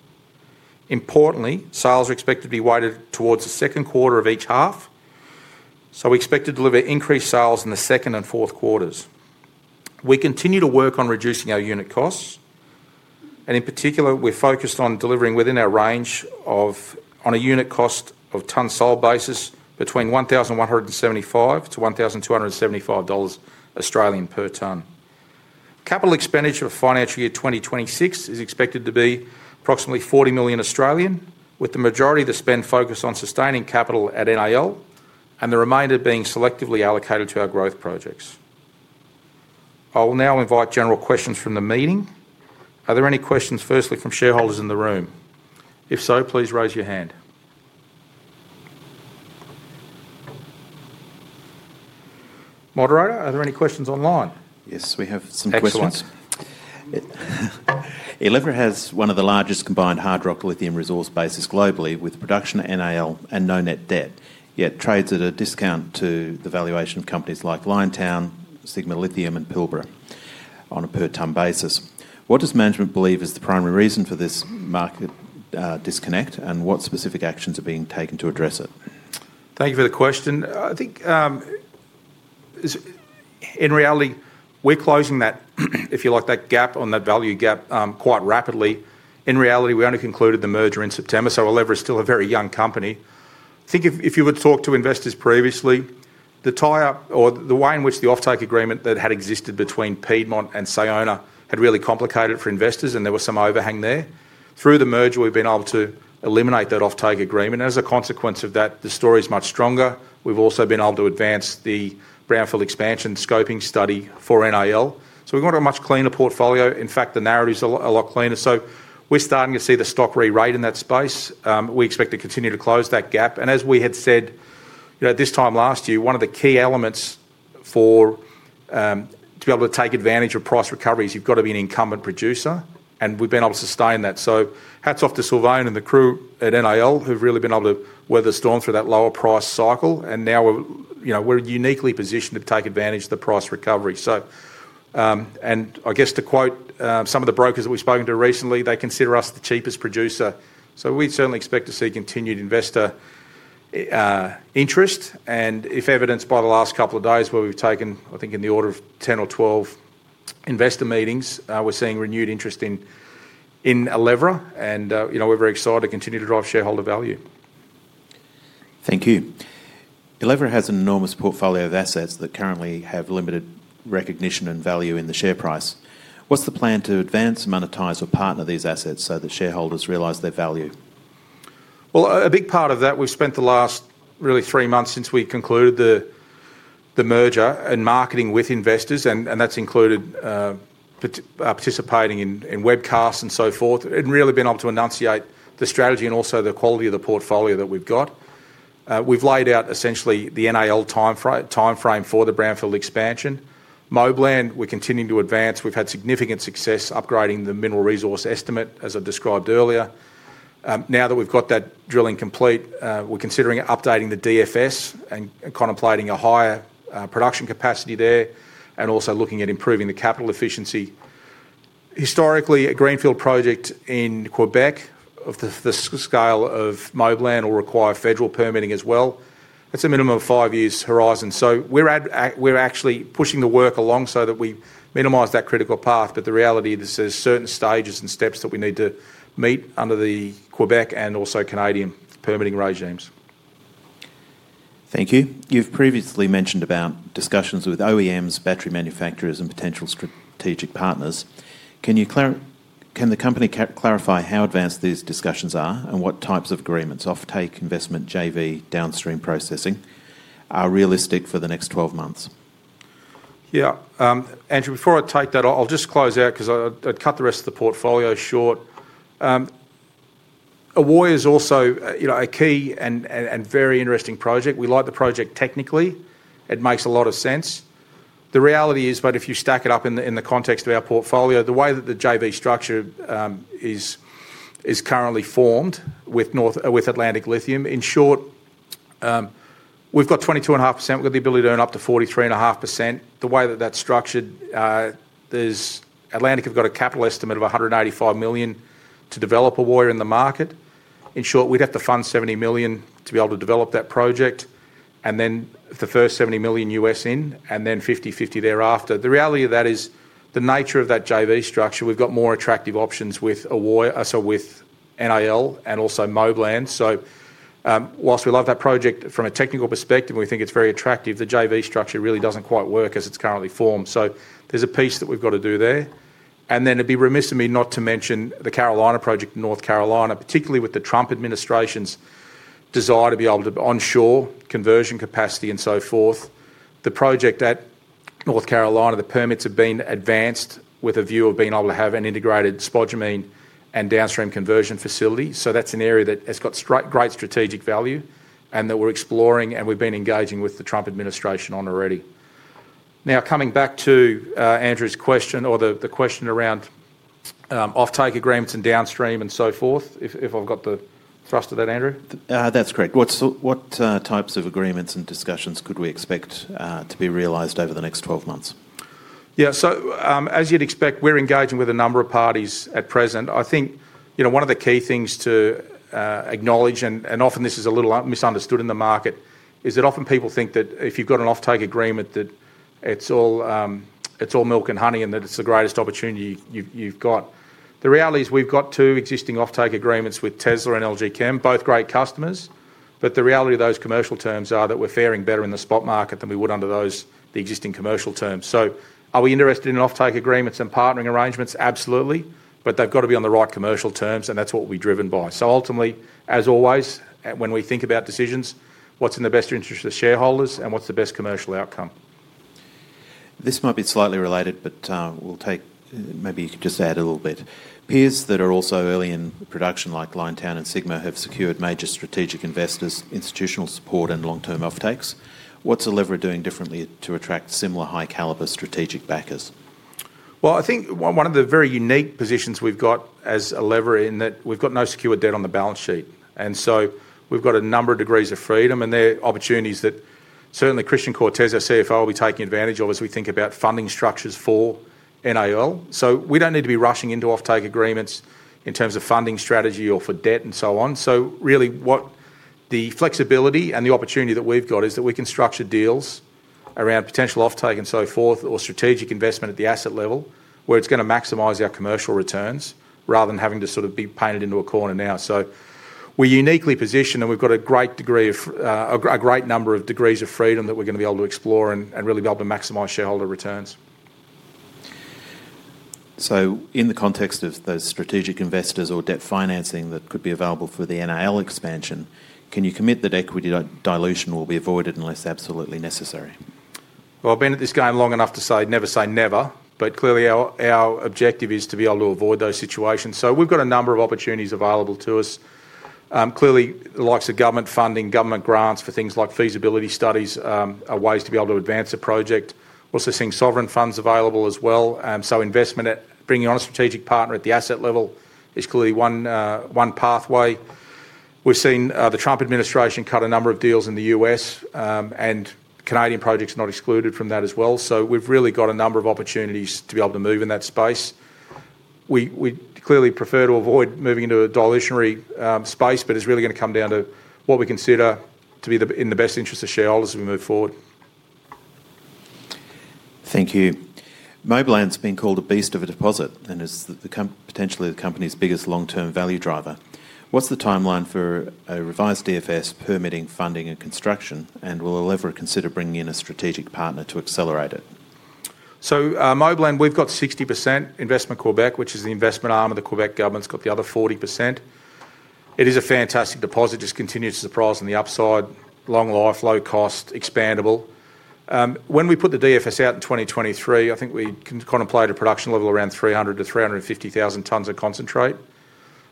Importantly, sales are expected to be weighted towards the second quarter of each half, so we expect to deliver increased sales in the second and fourth quarters. We continue to work on reducing our unit costs, and in particular, we're focused on delivering within our range on a unit cost of ton sold basis between 1,175- 1,275 Australian dollars per ton. Capital expenditure for financial year 2026 is expected to be approximately 40 million, with the majority of the spend focused on sustaining capital at NAL and the remainder being selectively allocated to our growth projects. I will now invite general questions from the meeting. Are there any questions, firstly, from shareholders in the room? If so, please raise your hand. Moderator, are there any questions online? Yes, we have some questions. Excellent. Elevra has one of the largest combined hard rock lithium resource bases globally with production at NAL and no net debt, yet trades at a discount to the valuation of companies like Liontown, Sigma Lithium, and Pilbara on a per-ton basis. What does management believe is the primary reason for this market disconnect, and what specific actions are being taken to address it? Thank you for the question. I think in reality, we're closing that, if you like, that gap on that value gap quite rapidly. In reality, we only concluded the merger in September, so Elevra is still a very young company. I think if you would talk to investors previously, the tie-up or the way in which the offtake agreement that had existed between Piedmont and Sayona had really complicated it for investors, and there was some overhang there. Through the merger, we've been able to eliminate that offtake agreement. As a consequence of that, the story is much stronger. We've also been able to advance the Brownfield expansion scoping study for NAL. We have a much cleaner portfolio. In fact, the narrative is a lot cleaner. We're starting to see the stock re-rate in that space. We expect to continue to close that gap. As we had said this time last year, one of the key elements to be able to take advantage of price recoveries, you've got to be an incumbent producer, and we've been able to sustain that. Hats off to Sylvain and the crew at NAL who've really been able to weather the storm through that lower price cycle. Now we're uniquely positioned to take advantage of the price recovery. I guess to quote some of the brokers that we've spoken to recently, they consider us the cheapest producer. We certainly expect to see continued investor interest. If evidenced by the last couple of days where we've taken, I think, in the order of 10 or 12 investor meetings, we're seeing renewed interest in Elevra, and we're very excited to continue to drive shareholder value. Thank you. Elevra has an enormous portfolio of assets that currently have limited recognition and value in the share price. What's the plan to advance, monetize, or partner these assets so that shareholders realize their value? A big part of that, we've spent the last really three months since we concluded the merger and marketing with investors, and that's included participating in webcasts and so forth, and really been able to enunciate the strategy and also the quality of the portfolio that we've got. We've laid out essentially the NAL timeframe for the Brownfield expansion. Moblan, we're continuing to advance. We've had significant success upgrading the mineral resource estimate, as I described earlier. Now that we've got that drilling complete, we're considering updating the DFS and contemplating a higher production capacity there and also looking at improving the capital efficiency. Historically, a greenfield project in Québec of the scale of Moblan will require federal permitting as well. That's a minimum of five years' horizon. We're actually pushing the work along so that we minimize that critical path, but the reality is there's certain stages and steps that we need to meet under the Québec and also Canadian permitting regimes. Thank you. You've previously mentioned about discussions with OEMs, battery manufacturers, and potential strategic partners. Can the company clarify how advanced these discussions are and what types of agreements—offtake, investment, JV, downstream processing—are realistic for the next 12 months? Yeah. Andrew, before I take that, I'll just close out because I'd cut the rest of the portfolio short. AWOI is also a key and very interesting project. We like the project technically. It makes a lot of sense. The reality is, if you stack it up in the context of our portfolio, the way that the JV structure is currently formed with Atlantic Lithium, in short, we've got 22.5%. We've got the ability to earn up to 43.5%. The way that that's structured, Atlantic have got a capital estimate of $185 million to develop AWOI in the market. In short, we'd have to fund $70 million to be able to develop that project and then the first $70 million in and then 50-50 thereafter. The reality of that is the nature of that JV structure. We've got more attractive options with NAL and also Moblan. Whilst we love that project from a technical perspective and we think it's very attractive, the JV structure really doesn't quite work as it's currently formed. There's a piece that we've got to do there. It'd be remiss of me not to mention the Carolina project in North Carolina, particularly with the Trump administration's desire to be able to onshore conversion capacity and so forth. The project at North Carolina, the permits have been advanced with a view of being able to have an integrated spodumene and downstream conversion facility. That's an area that has got great strategic value and that we're exploring and we've been engaging with the Trump administration on already. Now, coming back to Andrew's question or the question around offtake agreements and downstream and so forth, if I've got the thrust of that, Andrew. That's great. What types of agreements and discussions could we expect to be realized over the next 12 months? Yeah. As you'd expect, we're engaging with a number of parties at present. I think one of the key things to acknowledge, and often this is a little misunderstood in the market, is that often people think that if you've got an offtake agreement, that it's all milk and honey and that it's the greatest opportunity you've got. The reality is we've got two existing offtake agreements with Tesla and LG Chem, both great customers, but the reality of those commercial terms is that we're faring better in the spot market than we would under the existing commercial terms. Are we interested in offtake agreements and partnering arrangements? Absolutely, but they've got to be on the right commercial terms, and that's what we're driven by. Ultimately, as always, when we think about decisions, what's in the best interest of shareholders and what's the best commercial outcome? This might be slightly related, but maybe you could just add a little bit. Peers that are also early in production, like Liontown and Sigma, have secured major strategic investors, institutional support, and long-term offtakes. What's Elevra doing differently to attract similar high-caliber strategic backers? I think one of the very unique positions we've got as Elevra in that we've got no secured debt on the balance sheet. We have a number of degrees of freedom, and there are opportunities that certainly Christian Cortez, our CFO, will be taking advantage of as we think about funding structures for NAL. We do not need to be rushing into offtake agreements in terms of funding strategy or for debt and so on. Really, the flexibility and the opportunity that we've got is that we can structure deals around potential offtake and so forth or strategic investment at the asset level where it is going to maximize our commercial returns rather than having to sort of be painted into a corner now. We are uniquely positioned, and we have got a great number of degrees of freedom that we are going to be able to explore and really be able to maximize shareholder returns. In the context of those strategic investors or debt financing that could be available for the NAL expansion, can you commit that equity dilution will be avoided unless absolutely necessary? I've been at this game long enough to say never say never, but clearly our objective is to be able to avoid those situations. We've got a number of opportunities available to us. Clearly, the likes of government funding, government grants for things like feasibility studies are ways to be able to advance a project. We're also seeing sovereign funds available as well. Investment, bringing on a strategic partner at the asset level is clearly one pathway. We've seen the Trump administration cut a number of deals in the U.S., and Canadian projects are not excluded from that as well. We've really got a number of opportunities to be able to move in that space. We clearly prefer to avoid moving into a dilutionary space, but it's really going to come down to what we consider to be in the best interest of shareholders as we move forward. Thank you. Moblan's been called a beast of a deposit and is potentially the company's biggest long-term value driver. What's the timeline for a revised DFS, permitting, funding, and construction, and will Elevra consider bringing in a strategic partner to accelerate it? Moblan, we've got 60% Investissement Québec, which is the investment arm of the Québec government. It's got the other 40%. It is a fantastic deposit. Just continues to surprise on the upside. Long life, low cost, expandable. When we put the DFS out in 2023, I think we contemplated a production level around 300,000-350,000 tons of concentrate.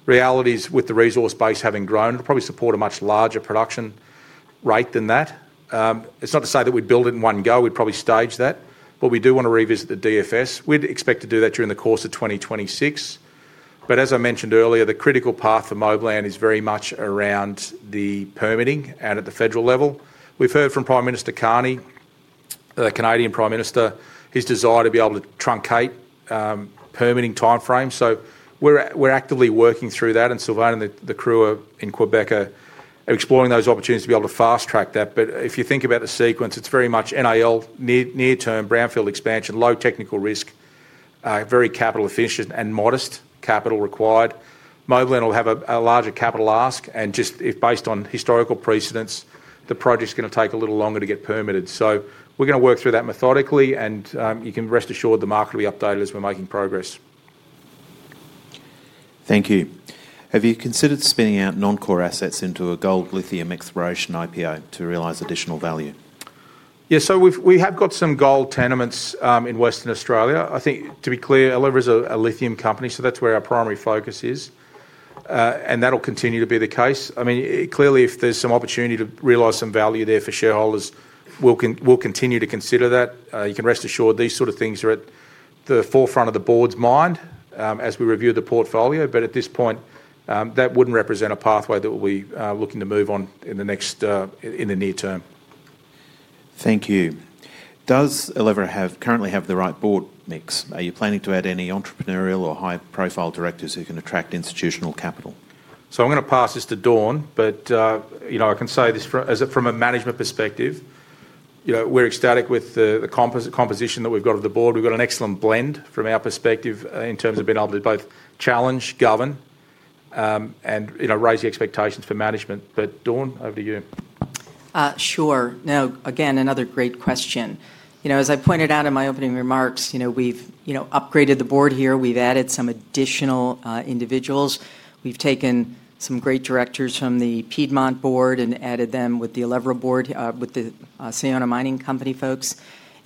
Reality is, with the resource base having grown, it'll probably support a much larger production rate than that. It's not to say that we'd build it in one go. We'd probably stage that, but we do want to revisit the DFS. We'd expect to do that during the course of 2026. As I mentioned earlier, the critical path for Moblan is very much around the permitting and at the federal level. We've heard from Prime Minister Carney, the Canadian Prime Minister, his desire to be able to truncate permitting timeframes. We're actively working through that, and Sylvain and the crew in Québec are exploring those opportunities to be able to fast-track that. If you think about the sequence, it's very much NAL, near-term Brownfield expansion, low technical risk, very capital efficient and modest capital required. Moblan will have a larger capital ask, and just based on historical precedence, the project's going to take a little longer to get permitted. We're going to work through that methodically, and you can rest assured the market will be updated as we're making progress. Thank you. Have you considered spinning out non-core assets into a gold lithium exploration IPO to realize additional value? Yeah. We have got some gold tenements in Western Australia. I think, to be clear, Elevra is a lithium company, so that's where our primary focus is, and that'll continue to be the case. I mean, clearly, if there's some opportunity to realize some value there for shareholders, we'll continue to consider that. You can rest assured these sort of things are at the forefront of the board's mind as we review the portfolio, but at this point, that wouldn't represent a pathway that we'll be looking to move on in the near term. Thank you. Does Elevra currently have the right board mix? Are you planning to add any entrepreneurial or high-profile directors who can attract institutional capital? I'm going to pass this to Dawn, but I can say this from a management perspective. We're ecstatic with the composition that we've got of the board. We've got an excellent blend from our perspective in terms of being able to both challenge, govern, and raise the expectations for management. But Dawn, over to you. Sure. Now, again, another great question. As I pointed out in my opening remarks, we've upgraded the board here. We've added some additional individuals. We've taken some great directors from the Piedmont board and added them with the Elevra board, with the Sayona Mining Company folks.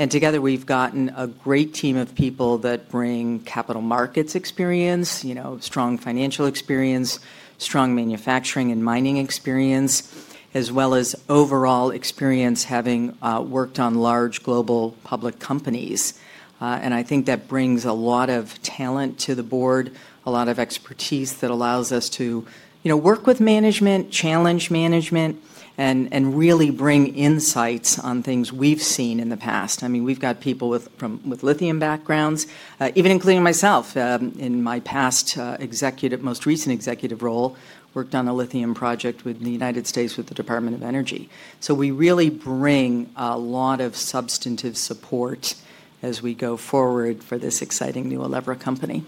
Together, we've gotten a great team of people that bring capital markets experience, strong financial experience, strong manufacturing and mining experience, as well as overall experience having worked on large global public companies. I think that brings a lot of talent to the board, a lot of expertise that allows us to work with management, challenge management, and really bring insights on things we've seen in the past. I mean, we've got people with lithium backgrounds, even including myself. In my past executive, most recent executive role, I worked on a lithium project with the United States with the Department of Energy. We really bring a lot of substantive support as we go forward for this exciting new Elevra company.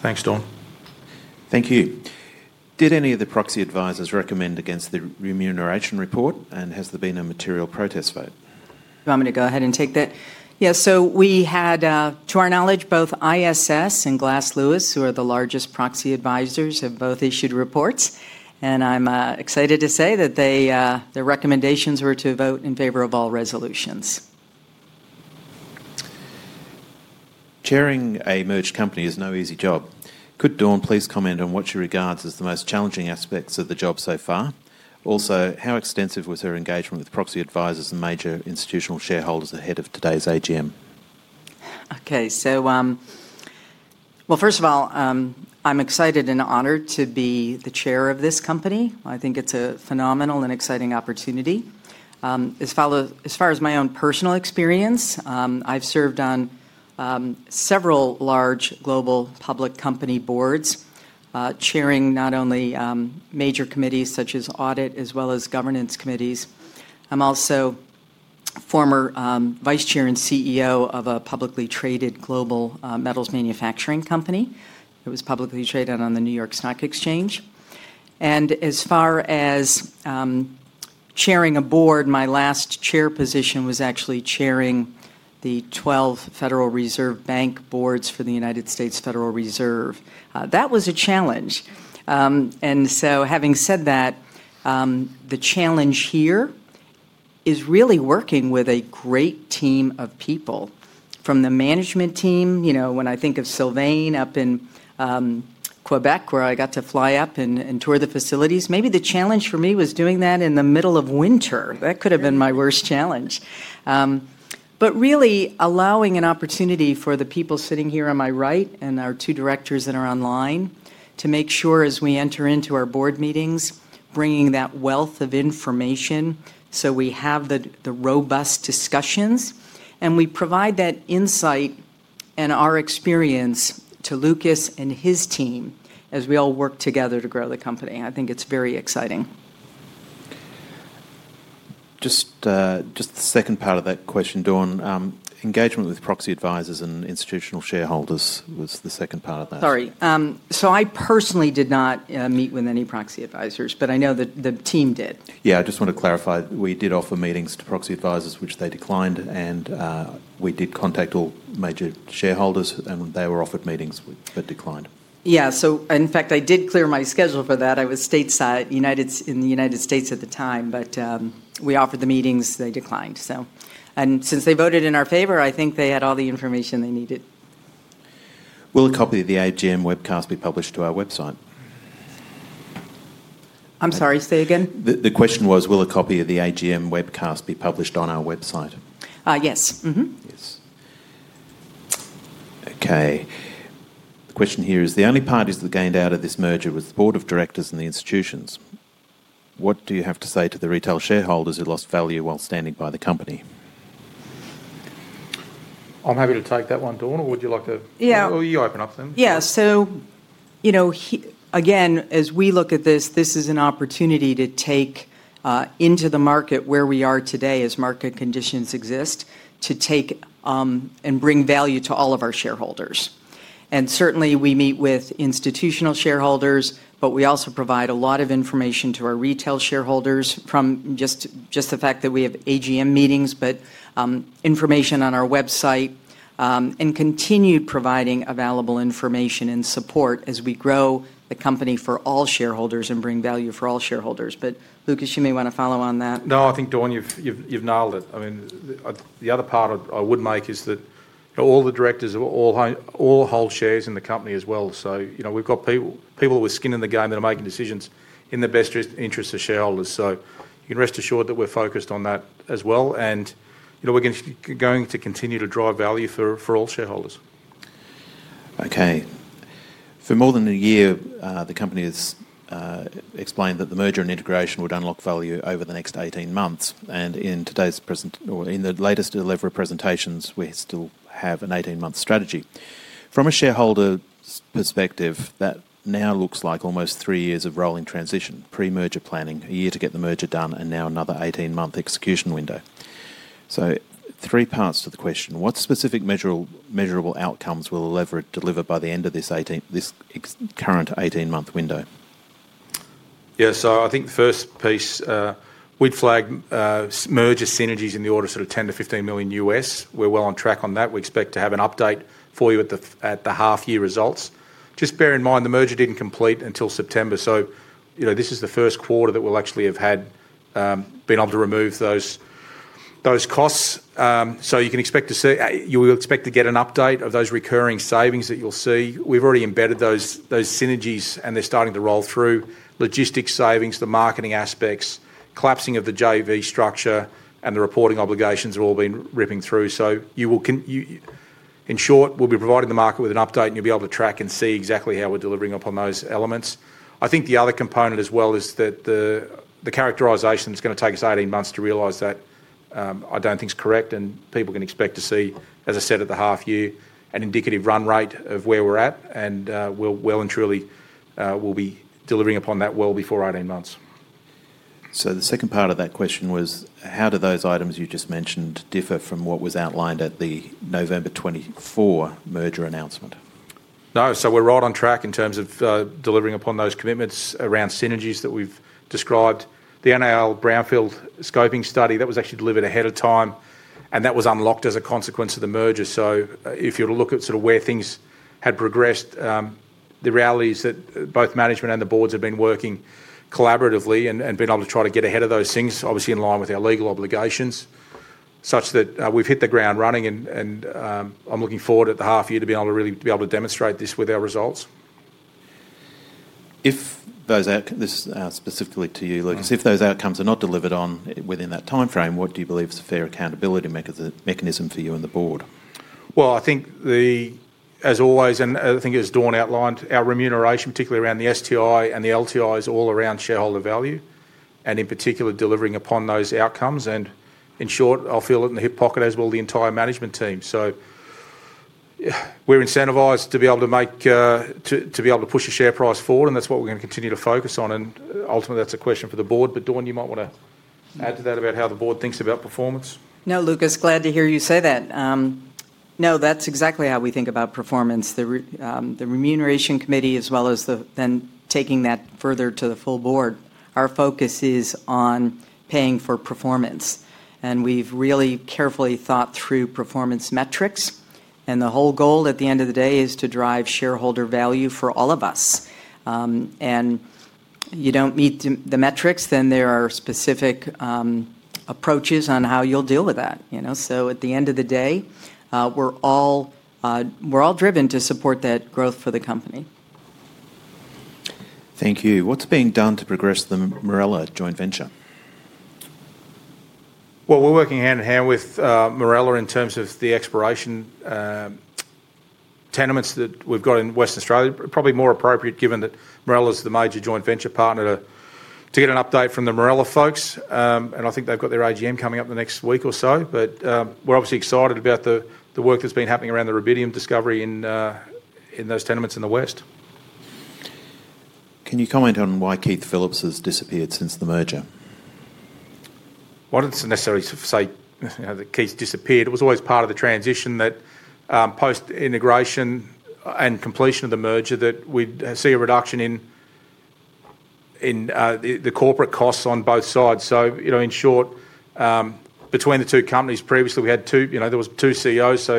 Thanks, Dawn. Thank you. Did any of the proxy advisors recommend against the remuneration report, and has there been a material protest vote? I'm going to go ahead and take that. Yeah. We had, to our knowledge, both ISS and Glass Lewis, who are the largest proxy advisors, have both issued reports, and I'm excited to say that their recommendations were to vote in favor of all resolutions. Chairing a merged company is no easy job. Could Dawne please comment on what she regards as the most challenging aspects of the job so far? Also, how extensive was her engagement with proxy advisors and major institutional shareholders ahead of today's AGM? Okay. First of all, I'm excited and honored to be the chair of this company. I think it's a phenomenal and exciting opportunity. As far as my own personal experience, I've served on several large global public company boards, chairing not only major committees such as audit as well as governance committees. I'm also former vice chair and CEO of a publicly traded global metals manufacturing company. It was publicly traded on the New York Stock Exchange. As far as chairing a board, my last chair position was actually chairing the 12 Federal Reserve Bank boards for the United States Federal Reserve. That was a challenge. Having said that, the challenge here is really working with a great team of people. From the management team, when I think of Sylvain up in Québec, where I got to fly up and tour the facilities, maybe the challenge for me was doing that in the middle of winter. That could have been my worst challenge. Really allowing an opportunity for the people sitting here on my right and our two directors that are online to make sure as we enter into our board meetings, bringing that wealth of information so we have the robust discussions, and we provide that insight and our experience to Lucas and his team as we all work together to grow the company. I think it's very exciting. Just the second part of that question, Dawne. Engagement with proxy advisors and institutional shareholders was the second part of that. I personally did not meet with any proxy advisors, but I know that the team did. Yeah. I just want to clarify. We did offer meetings to proxy advisors, which they declined, and we did contact all major shareholders, and they were offered meetings but declined. Yeah. In fact, I did clear my schedule for that. I was stateside in the United States at the time, but we offered the meetings. They declined. Since they voted in our favor, I think they had all the information they needed. Will a copy of the AGM webcast be published to our website? I'm sorry. Say again? The question was, will a copy of the AGM webcast be published on our website? Yes. Yes. Okay. The question here is, the only parties that gained out of this merger were the board of directors and the institutions. What do you have to say to the retail shareholders who lost value while standing by the company? I'm happy to take that one, Dawn, or would you like to? Yeah. You open up then. Yeah. Again, as we look at this, this is an opportunity to take into the market where we are today as market conditions exist to take and bring value to all of our shareholders. Certainly, we meet with institutional shareholders, but we also provide a lot of information to our retail shareholders from just the fact that we have AGM meetings, information on our website, and continued providing available information and support as we grow the company for all shareholders and bring value for all shareholders. Lucas, you may want to follow on that. No, I think, Dawn, you've nailed it. I mean, the other part I would make is that all the directors hold shares in the company as well. We have people with skin in the game that are making decisions in the best interests of shareholders. You can rest assured that we're focused on that as well, and we're going to continue to drive value for all shareholders. Okay. For more than a year, the company has explained that the merger and integration would unlock value over the next 18 months. In the latest Elevra presentations, we still have an 18-month strategy. From a shareholder's perspective, that now looks like almost three years of rolling transition, pre-merger planning, a year to get the merger done, and now another 18-month execution window. Three parts to the question. What specific measurable outcomes will Elevra deliver by the end of this current 18-month window? Yeah. I think the first piece, we'd flag merger synergies in the order of 10 million-15 million US. We're well on track on that. We expect to have an update for you at the half-year results. Just bear in mind, the merger did not complete until September. This is the first quarter that we will actually have been able to remove those costs. You can expect to see, you will expect to get an update of those recurring savings that you will see. We've already embedded those synergies, and they're starting to roll through. Logistics savings, the marketing aspects, collapsing of the JV structure, and the reporting obligations are all being ripping through. In short, we will be providing the market with an update, and you will be able to track and see exactly how we're delivering up on those elements. I think the other component as well is that the characterization that's going to take us 18 months to realize, that I don't think is correct, and people can expect to see, as I said, at the half-year, an indicative run rate of where we're at, and we'll well and truly be delivering upon that well before 18 months. The second part of that question was, how do those items you just mentioned differ from what was outlined at the November 2024 merger announcement? No. We're right on track in terms of delivering upon those commitments around synergies that we've described. The NAL Brownfield scoping study, that was actually delivered ahead of time, and that was unlocked as a consequence of the merger. If you were to look at sort of where things had progressed, the reality is that both management and the boards have been working collaboratively and been able to try to get ahead of those things, obviously in line with our legal obligations, such that we've hit the ground running, and I'm looking forward at the half-year to be able to really be able to demonstrate this with our results. If those outcomes—this is specifically to you, Lucas—if those outcomes are not delivered within that timeframe, what do you believe is a fair accountability mechanism for you and the board? I think, as always, and I think, as Dawn outlined, our remuneration, particularly around the STI and the LTIs, all around shareholder value, and in particular, delivering upon those outcomes. In short, I'll feel it in the hip pocket as will the entire management team. We are incentivized to be able to make—to be able to push the share price forward, and that's what we are going to continue to focus on. Ultimately, that's a question for the board. Dawn, you might want to add to that about how the board thinks about performance. No, Lucas, glad to hear you say that. No, that's exactly how we think about performance. The remuneration committee, as well as then taking that further to the full board, our focus is on paying for performance. We have really carefully thought through performance metrics, and the whole goal at the end of the day is to drive shareholder value for all of us. If you do not meet the metrics, then there are specific approaches on how you will deal with that. At the end of the day, we are all driven to support that growth for the company. Thank you. What's being done to progress the Mirella joint venture? We're working hand in hand with Mirella in terms of the exploration tenements that we've got in Western Australia. Probably more appropriate, given that Mirella is the major joint venture partner, to get an update from the Mirella folks. I think they've got their AGM coming up the next week or so. We're obviously excited about the work that's been happening around the rubidium discovery in those tenements in the west. Can you comment on why Keith Phillips has disappeared since the merger? It is necessary to say that Keith disappeared. It was always part of the transition that post-integration and completion of the merger that we would see a reduction in the corporate costs on both sides. In short, between the two companies, previously, we had two—there were two CEOs. We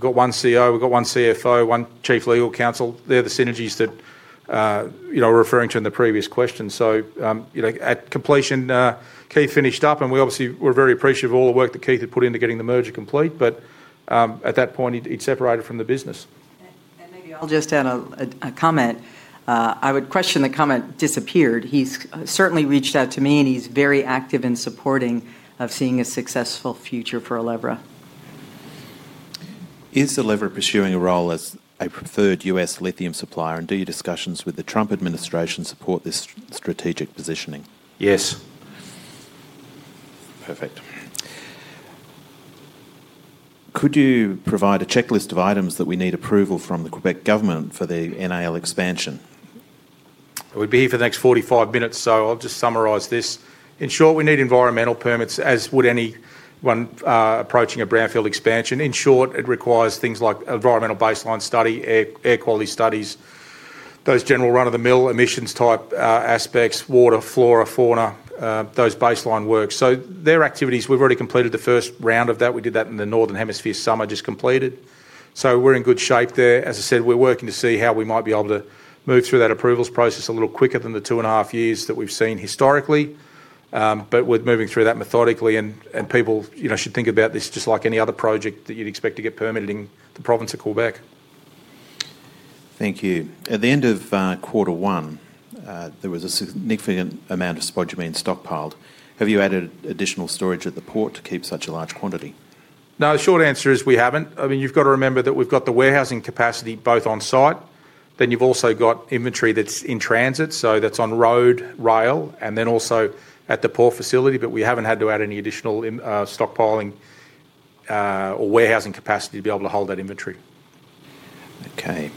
have one CEO, we have one CFO, one Chief Legal Counsel. They are the synergies that we are referring to in the previous question. At completion, Keith finished up, and we obviously were very appreciative of all the work that Keith had put into getting the merger complete. At that point, he had separated from the business. Maybe I'll just add a comment. I would question the comment, "Disappeared." He's certainly reached out to me, and he's very active in supporting seeing a successful future for Elevra. Is Elevra pursuing a role as a preferred US lithium supplier? Do your discussions with the Trump administration support this strategic positioning? Yes. Perfect. Could you provide a checklist of items that we need approval from the Québec government for the NAL expansion? We'll be here for the next 45 minutes, so I'll just summarize this. In short, we need environmental permits, as would anyone approaching a brownfield expansion. In short, it requires things like environmental baseline study, air quality studies, those general run-of-the-mill emissions-type aspects, water, flora, fauna, those baseline works. Their activities, we've already completed the first round of that. We did that in the northern hemisphere summer just completed. We're in good shape there. As I said, we're working to see how we might be able to move through that approvals process a little quicker than the two and a half years that we've seen historically. We're moving through that methodically, and people should think about this just like any other project that you'd expect to get permitted in the province of Québec. Thank you. At the end of quarter one, there was a significant amount of spodumene stockpiled. Have you added additional storage at the port to keep such a large quantity? No. The short answer is we haven't. I mean, you've got to remember that we've got the warehousing capacity both on site. I mean, you've also got inventory that's in transit. That's on road, rail, and also at the port facility. We haven't had to add any additional stockpiling or warehousing capacity to be able to hold that inventory. Okay.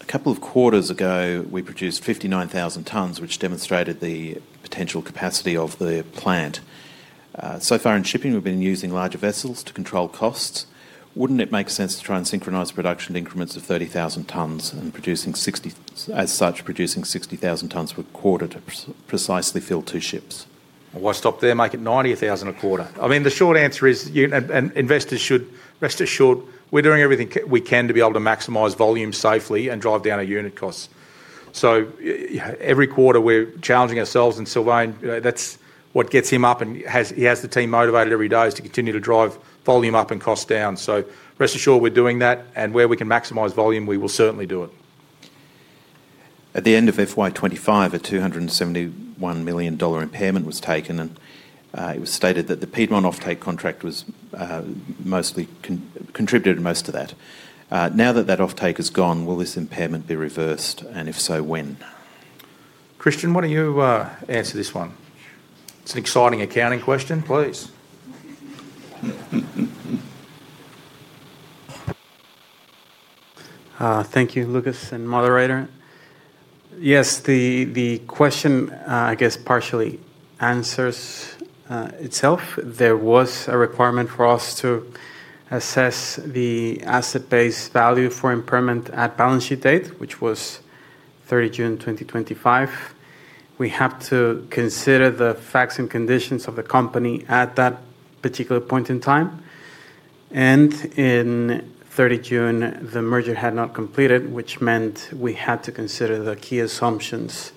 A couple of quarters ago, we produced 59,000 tons, which demonstrated the potential capacity of the plant. So far in shipping, we've been using larger vessels to control costs. Wouldn't it make sense to try and synchronize production increments of 30,000 tons and, as such, producing 60,000 tons per quarter to precisely fill two ships? Why stop there? Make it 90,000 a quarter. I mean, the short answer is investors should rest assured we're doing everything we can to be able to maximize volume safely and drive down our unit costs. Every quarter, we're challenging ourselves, and Sylvain, that's what gets him up, and he has the team motivated every day is to continue to drive volume up and cost down. Rest assured we're doing that, and where we can maximize volume, we will certainly do it. At the end of FY2025, a $271 million impairment was taken, and it was stated that the Piedmont offtake contract contributed most to that. Now that that offtake is gone, will this impairment be reversed? If so, when? Christian, why don't you answer this one? It's an exciting accounting question. Please. Thank you, Lucas and moderator. Yes. The question, I guess, partially answers itself. There was a requirement for us to assess the asset-based value for impairment at balance sheet date, which was 30 June 2025. We had to consider the facts and conditions of the company at that particular point in time. In 30 June, the merger had not completed, which meant we had to consider the key assumptions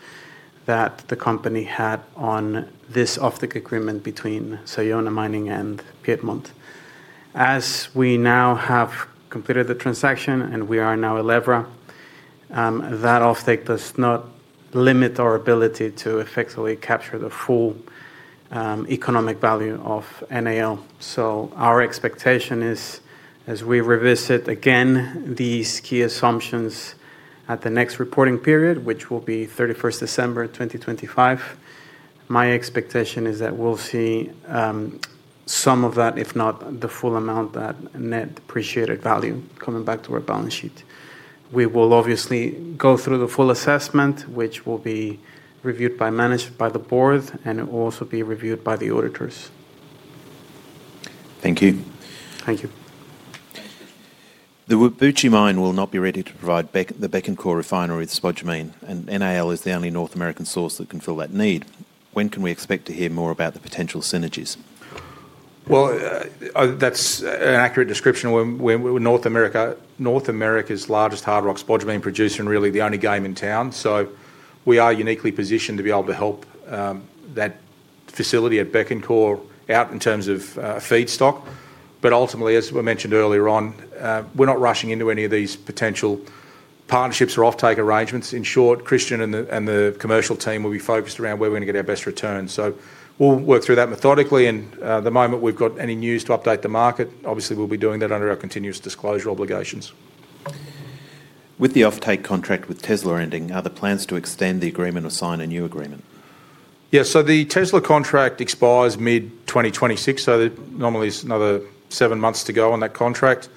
that the company had on this offtake agreement between Sayona Mining and Piedmont. As we now have completed the transaction, and we are now Elevra, that offtake does not limit our ability to effectively capture the full economic value of NAL. Our expectation is, as we revisit again these key assumptions at the next reporting period, which will be 31st December 2025, my expectation is that we'll see some of that, if not the full amount, that net appreciated value coming back to our balance sheet. We will obviously go through the full assessment, which will be reviewed by management, by the board, and it will also be reviewed by the auditors. Thank you. Thank you. The Wabouchi Mine will not be ready to provide the Bécancour refinery with spodumene, and NAL is the only North American source that can fill that need. When can we expect to hear more about the potential synergies? That's an accurate description. North America's largest hard rock spodumene producer and really the only game in town. We are uniquely positioned to be able to help that facility at Bécancour out in terms of feedstock. Ultimately, as we mentioned earlier on, we're not rushing into any of these potential partnerships or offtake arrangements. In short, Christian and the commercial team will be focused around where we're going to get our best return. We'll work through that methodically. The moment we've got any news to update the market, obviously, we'll be doing that under our continuous disclosure obligations. With the offtake contract with Tesla ending, are there plans to extend the agreement or sign a new agreement? Yeah. The Tesla contract expires mid-2026. Normally, there is another seven months to go on that contract.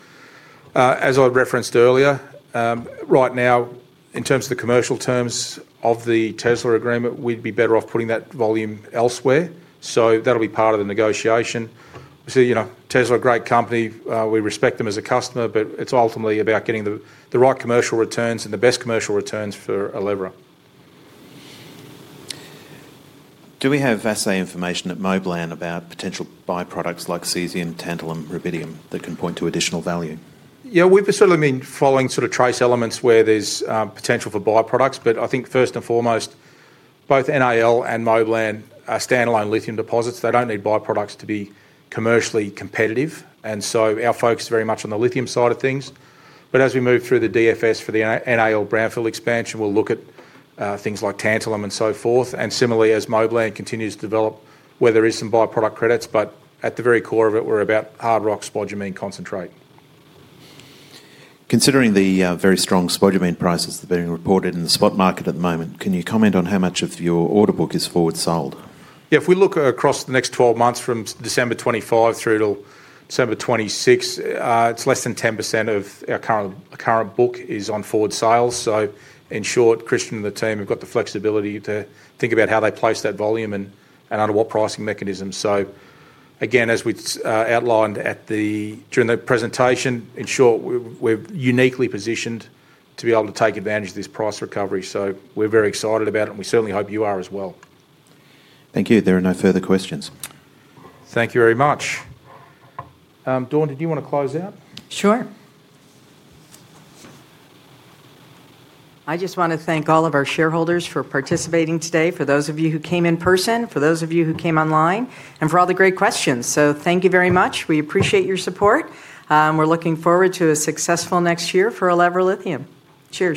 As I referenced earlier, right now, in terms of the commercial terms of the Tesla agreement, we would be better off putting that volume elsewhere. That will be part of the negotiation. Tesla is a great company. We respect them as a customer, but it is ultimately about getting the right commercial returns and the best commercial returns for Elevra. Do we have assay information at Moblan about potential byproducts like cesium, tantalum, rubidium that can point to additional value? Yeah. We've certainly been following sort of trace elements where there's potential for byproducts. I think, first and foremost, both NAL and Moblan are standalone lithium deposits. They don't need byproducts to be commercially competitive. Our focus is very much on the lithium side of things. As we move through the DFS for the NAL brownfield expansion, we'll look at things like tantalum and so forth. Similarly, as Moblan continues to develop, there are some byproduct credits, but at the very core of it, we're about hard rock spodumene concentrate. Considering the very strong spodumene prices that are being reported in the spot market at the moment, can you comment on how much of your order book is forward-sold? Yeah. If we look across the next 12 months from December '25 through till December '26, it's less than 10% of our current book is on forward sales. In short, Christian and the team have got the flexibility to think about how they place that volume and under what pricing mechanism. As we outlined during the presentation, in short, we're uniquely positioned to be able to take advantage of this price recovery. We're very excited about it, and we certainly hope you are as well. Thank you. There are no further questions. Thank you very much. Dawn, did you want to close out? Sure. I just want to thank all of our shareholders for participating today, for those of you who came in person, for those of you who came online, and for all the great questions. Thank you very much. We appreciate your support. We are looking forward to a successful next year for Elevra Lithium. Cheers.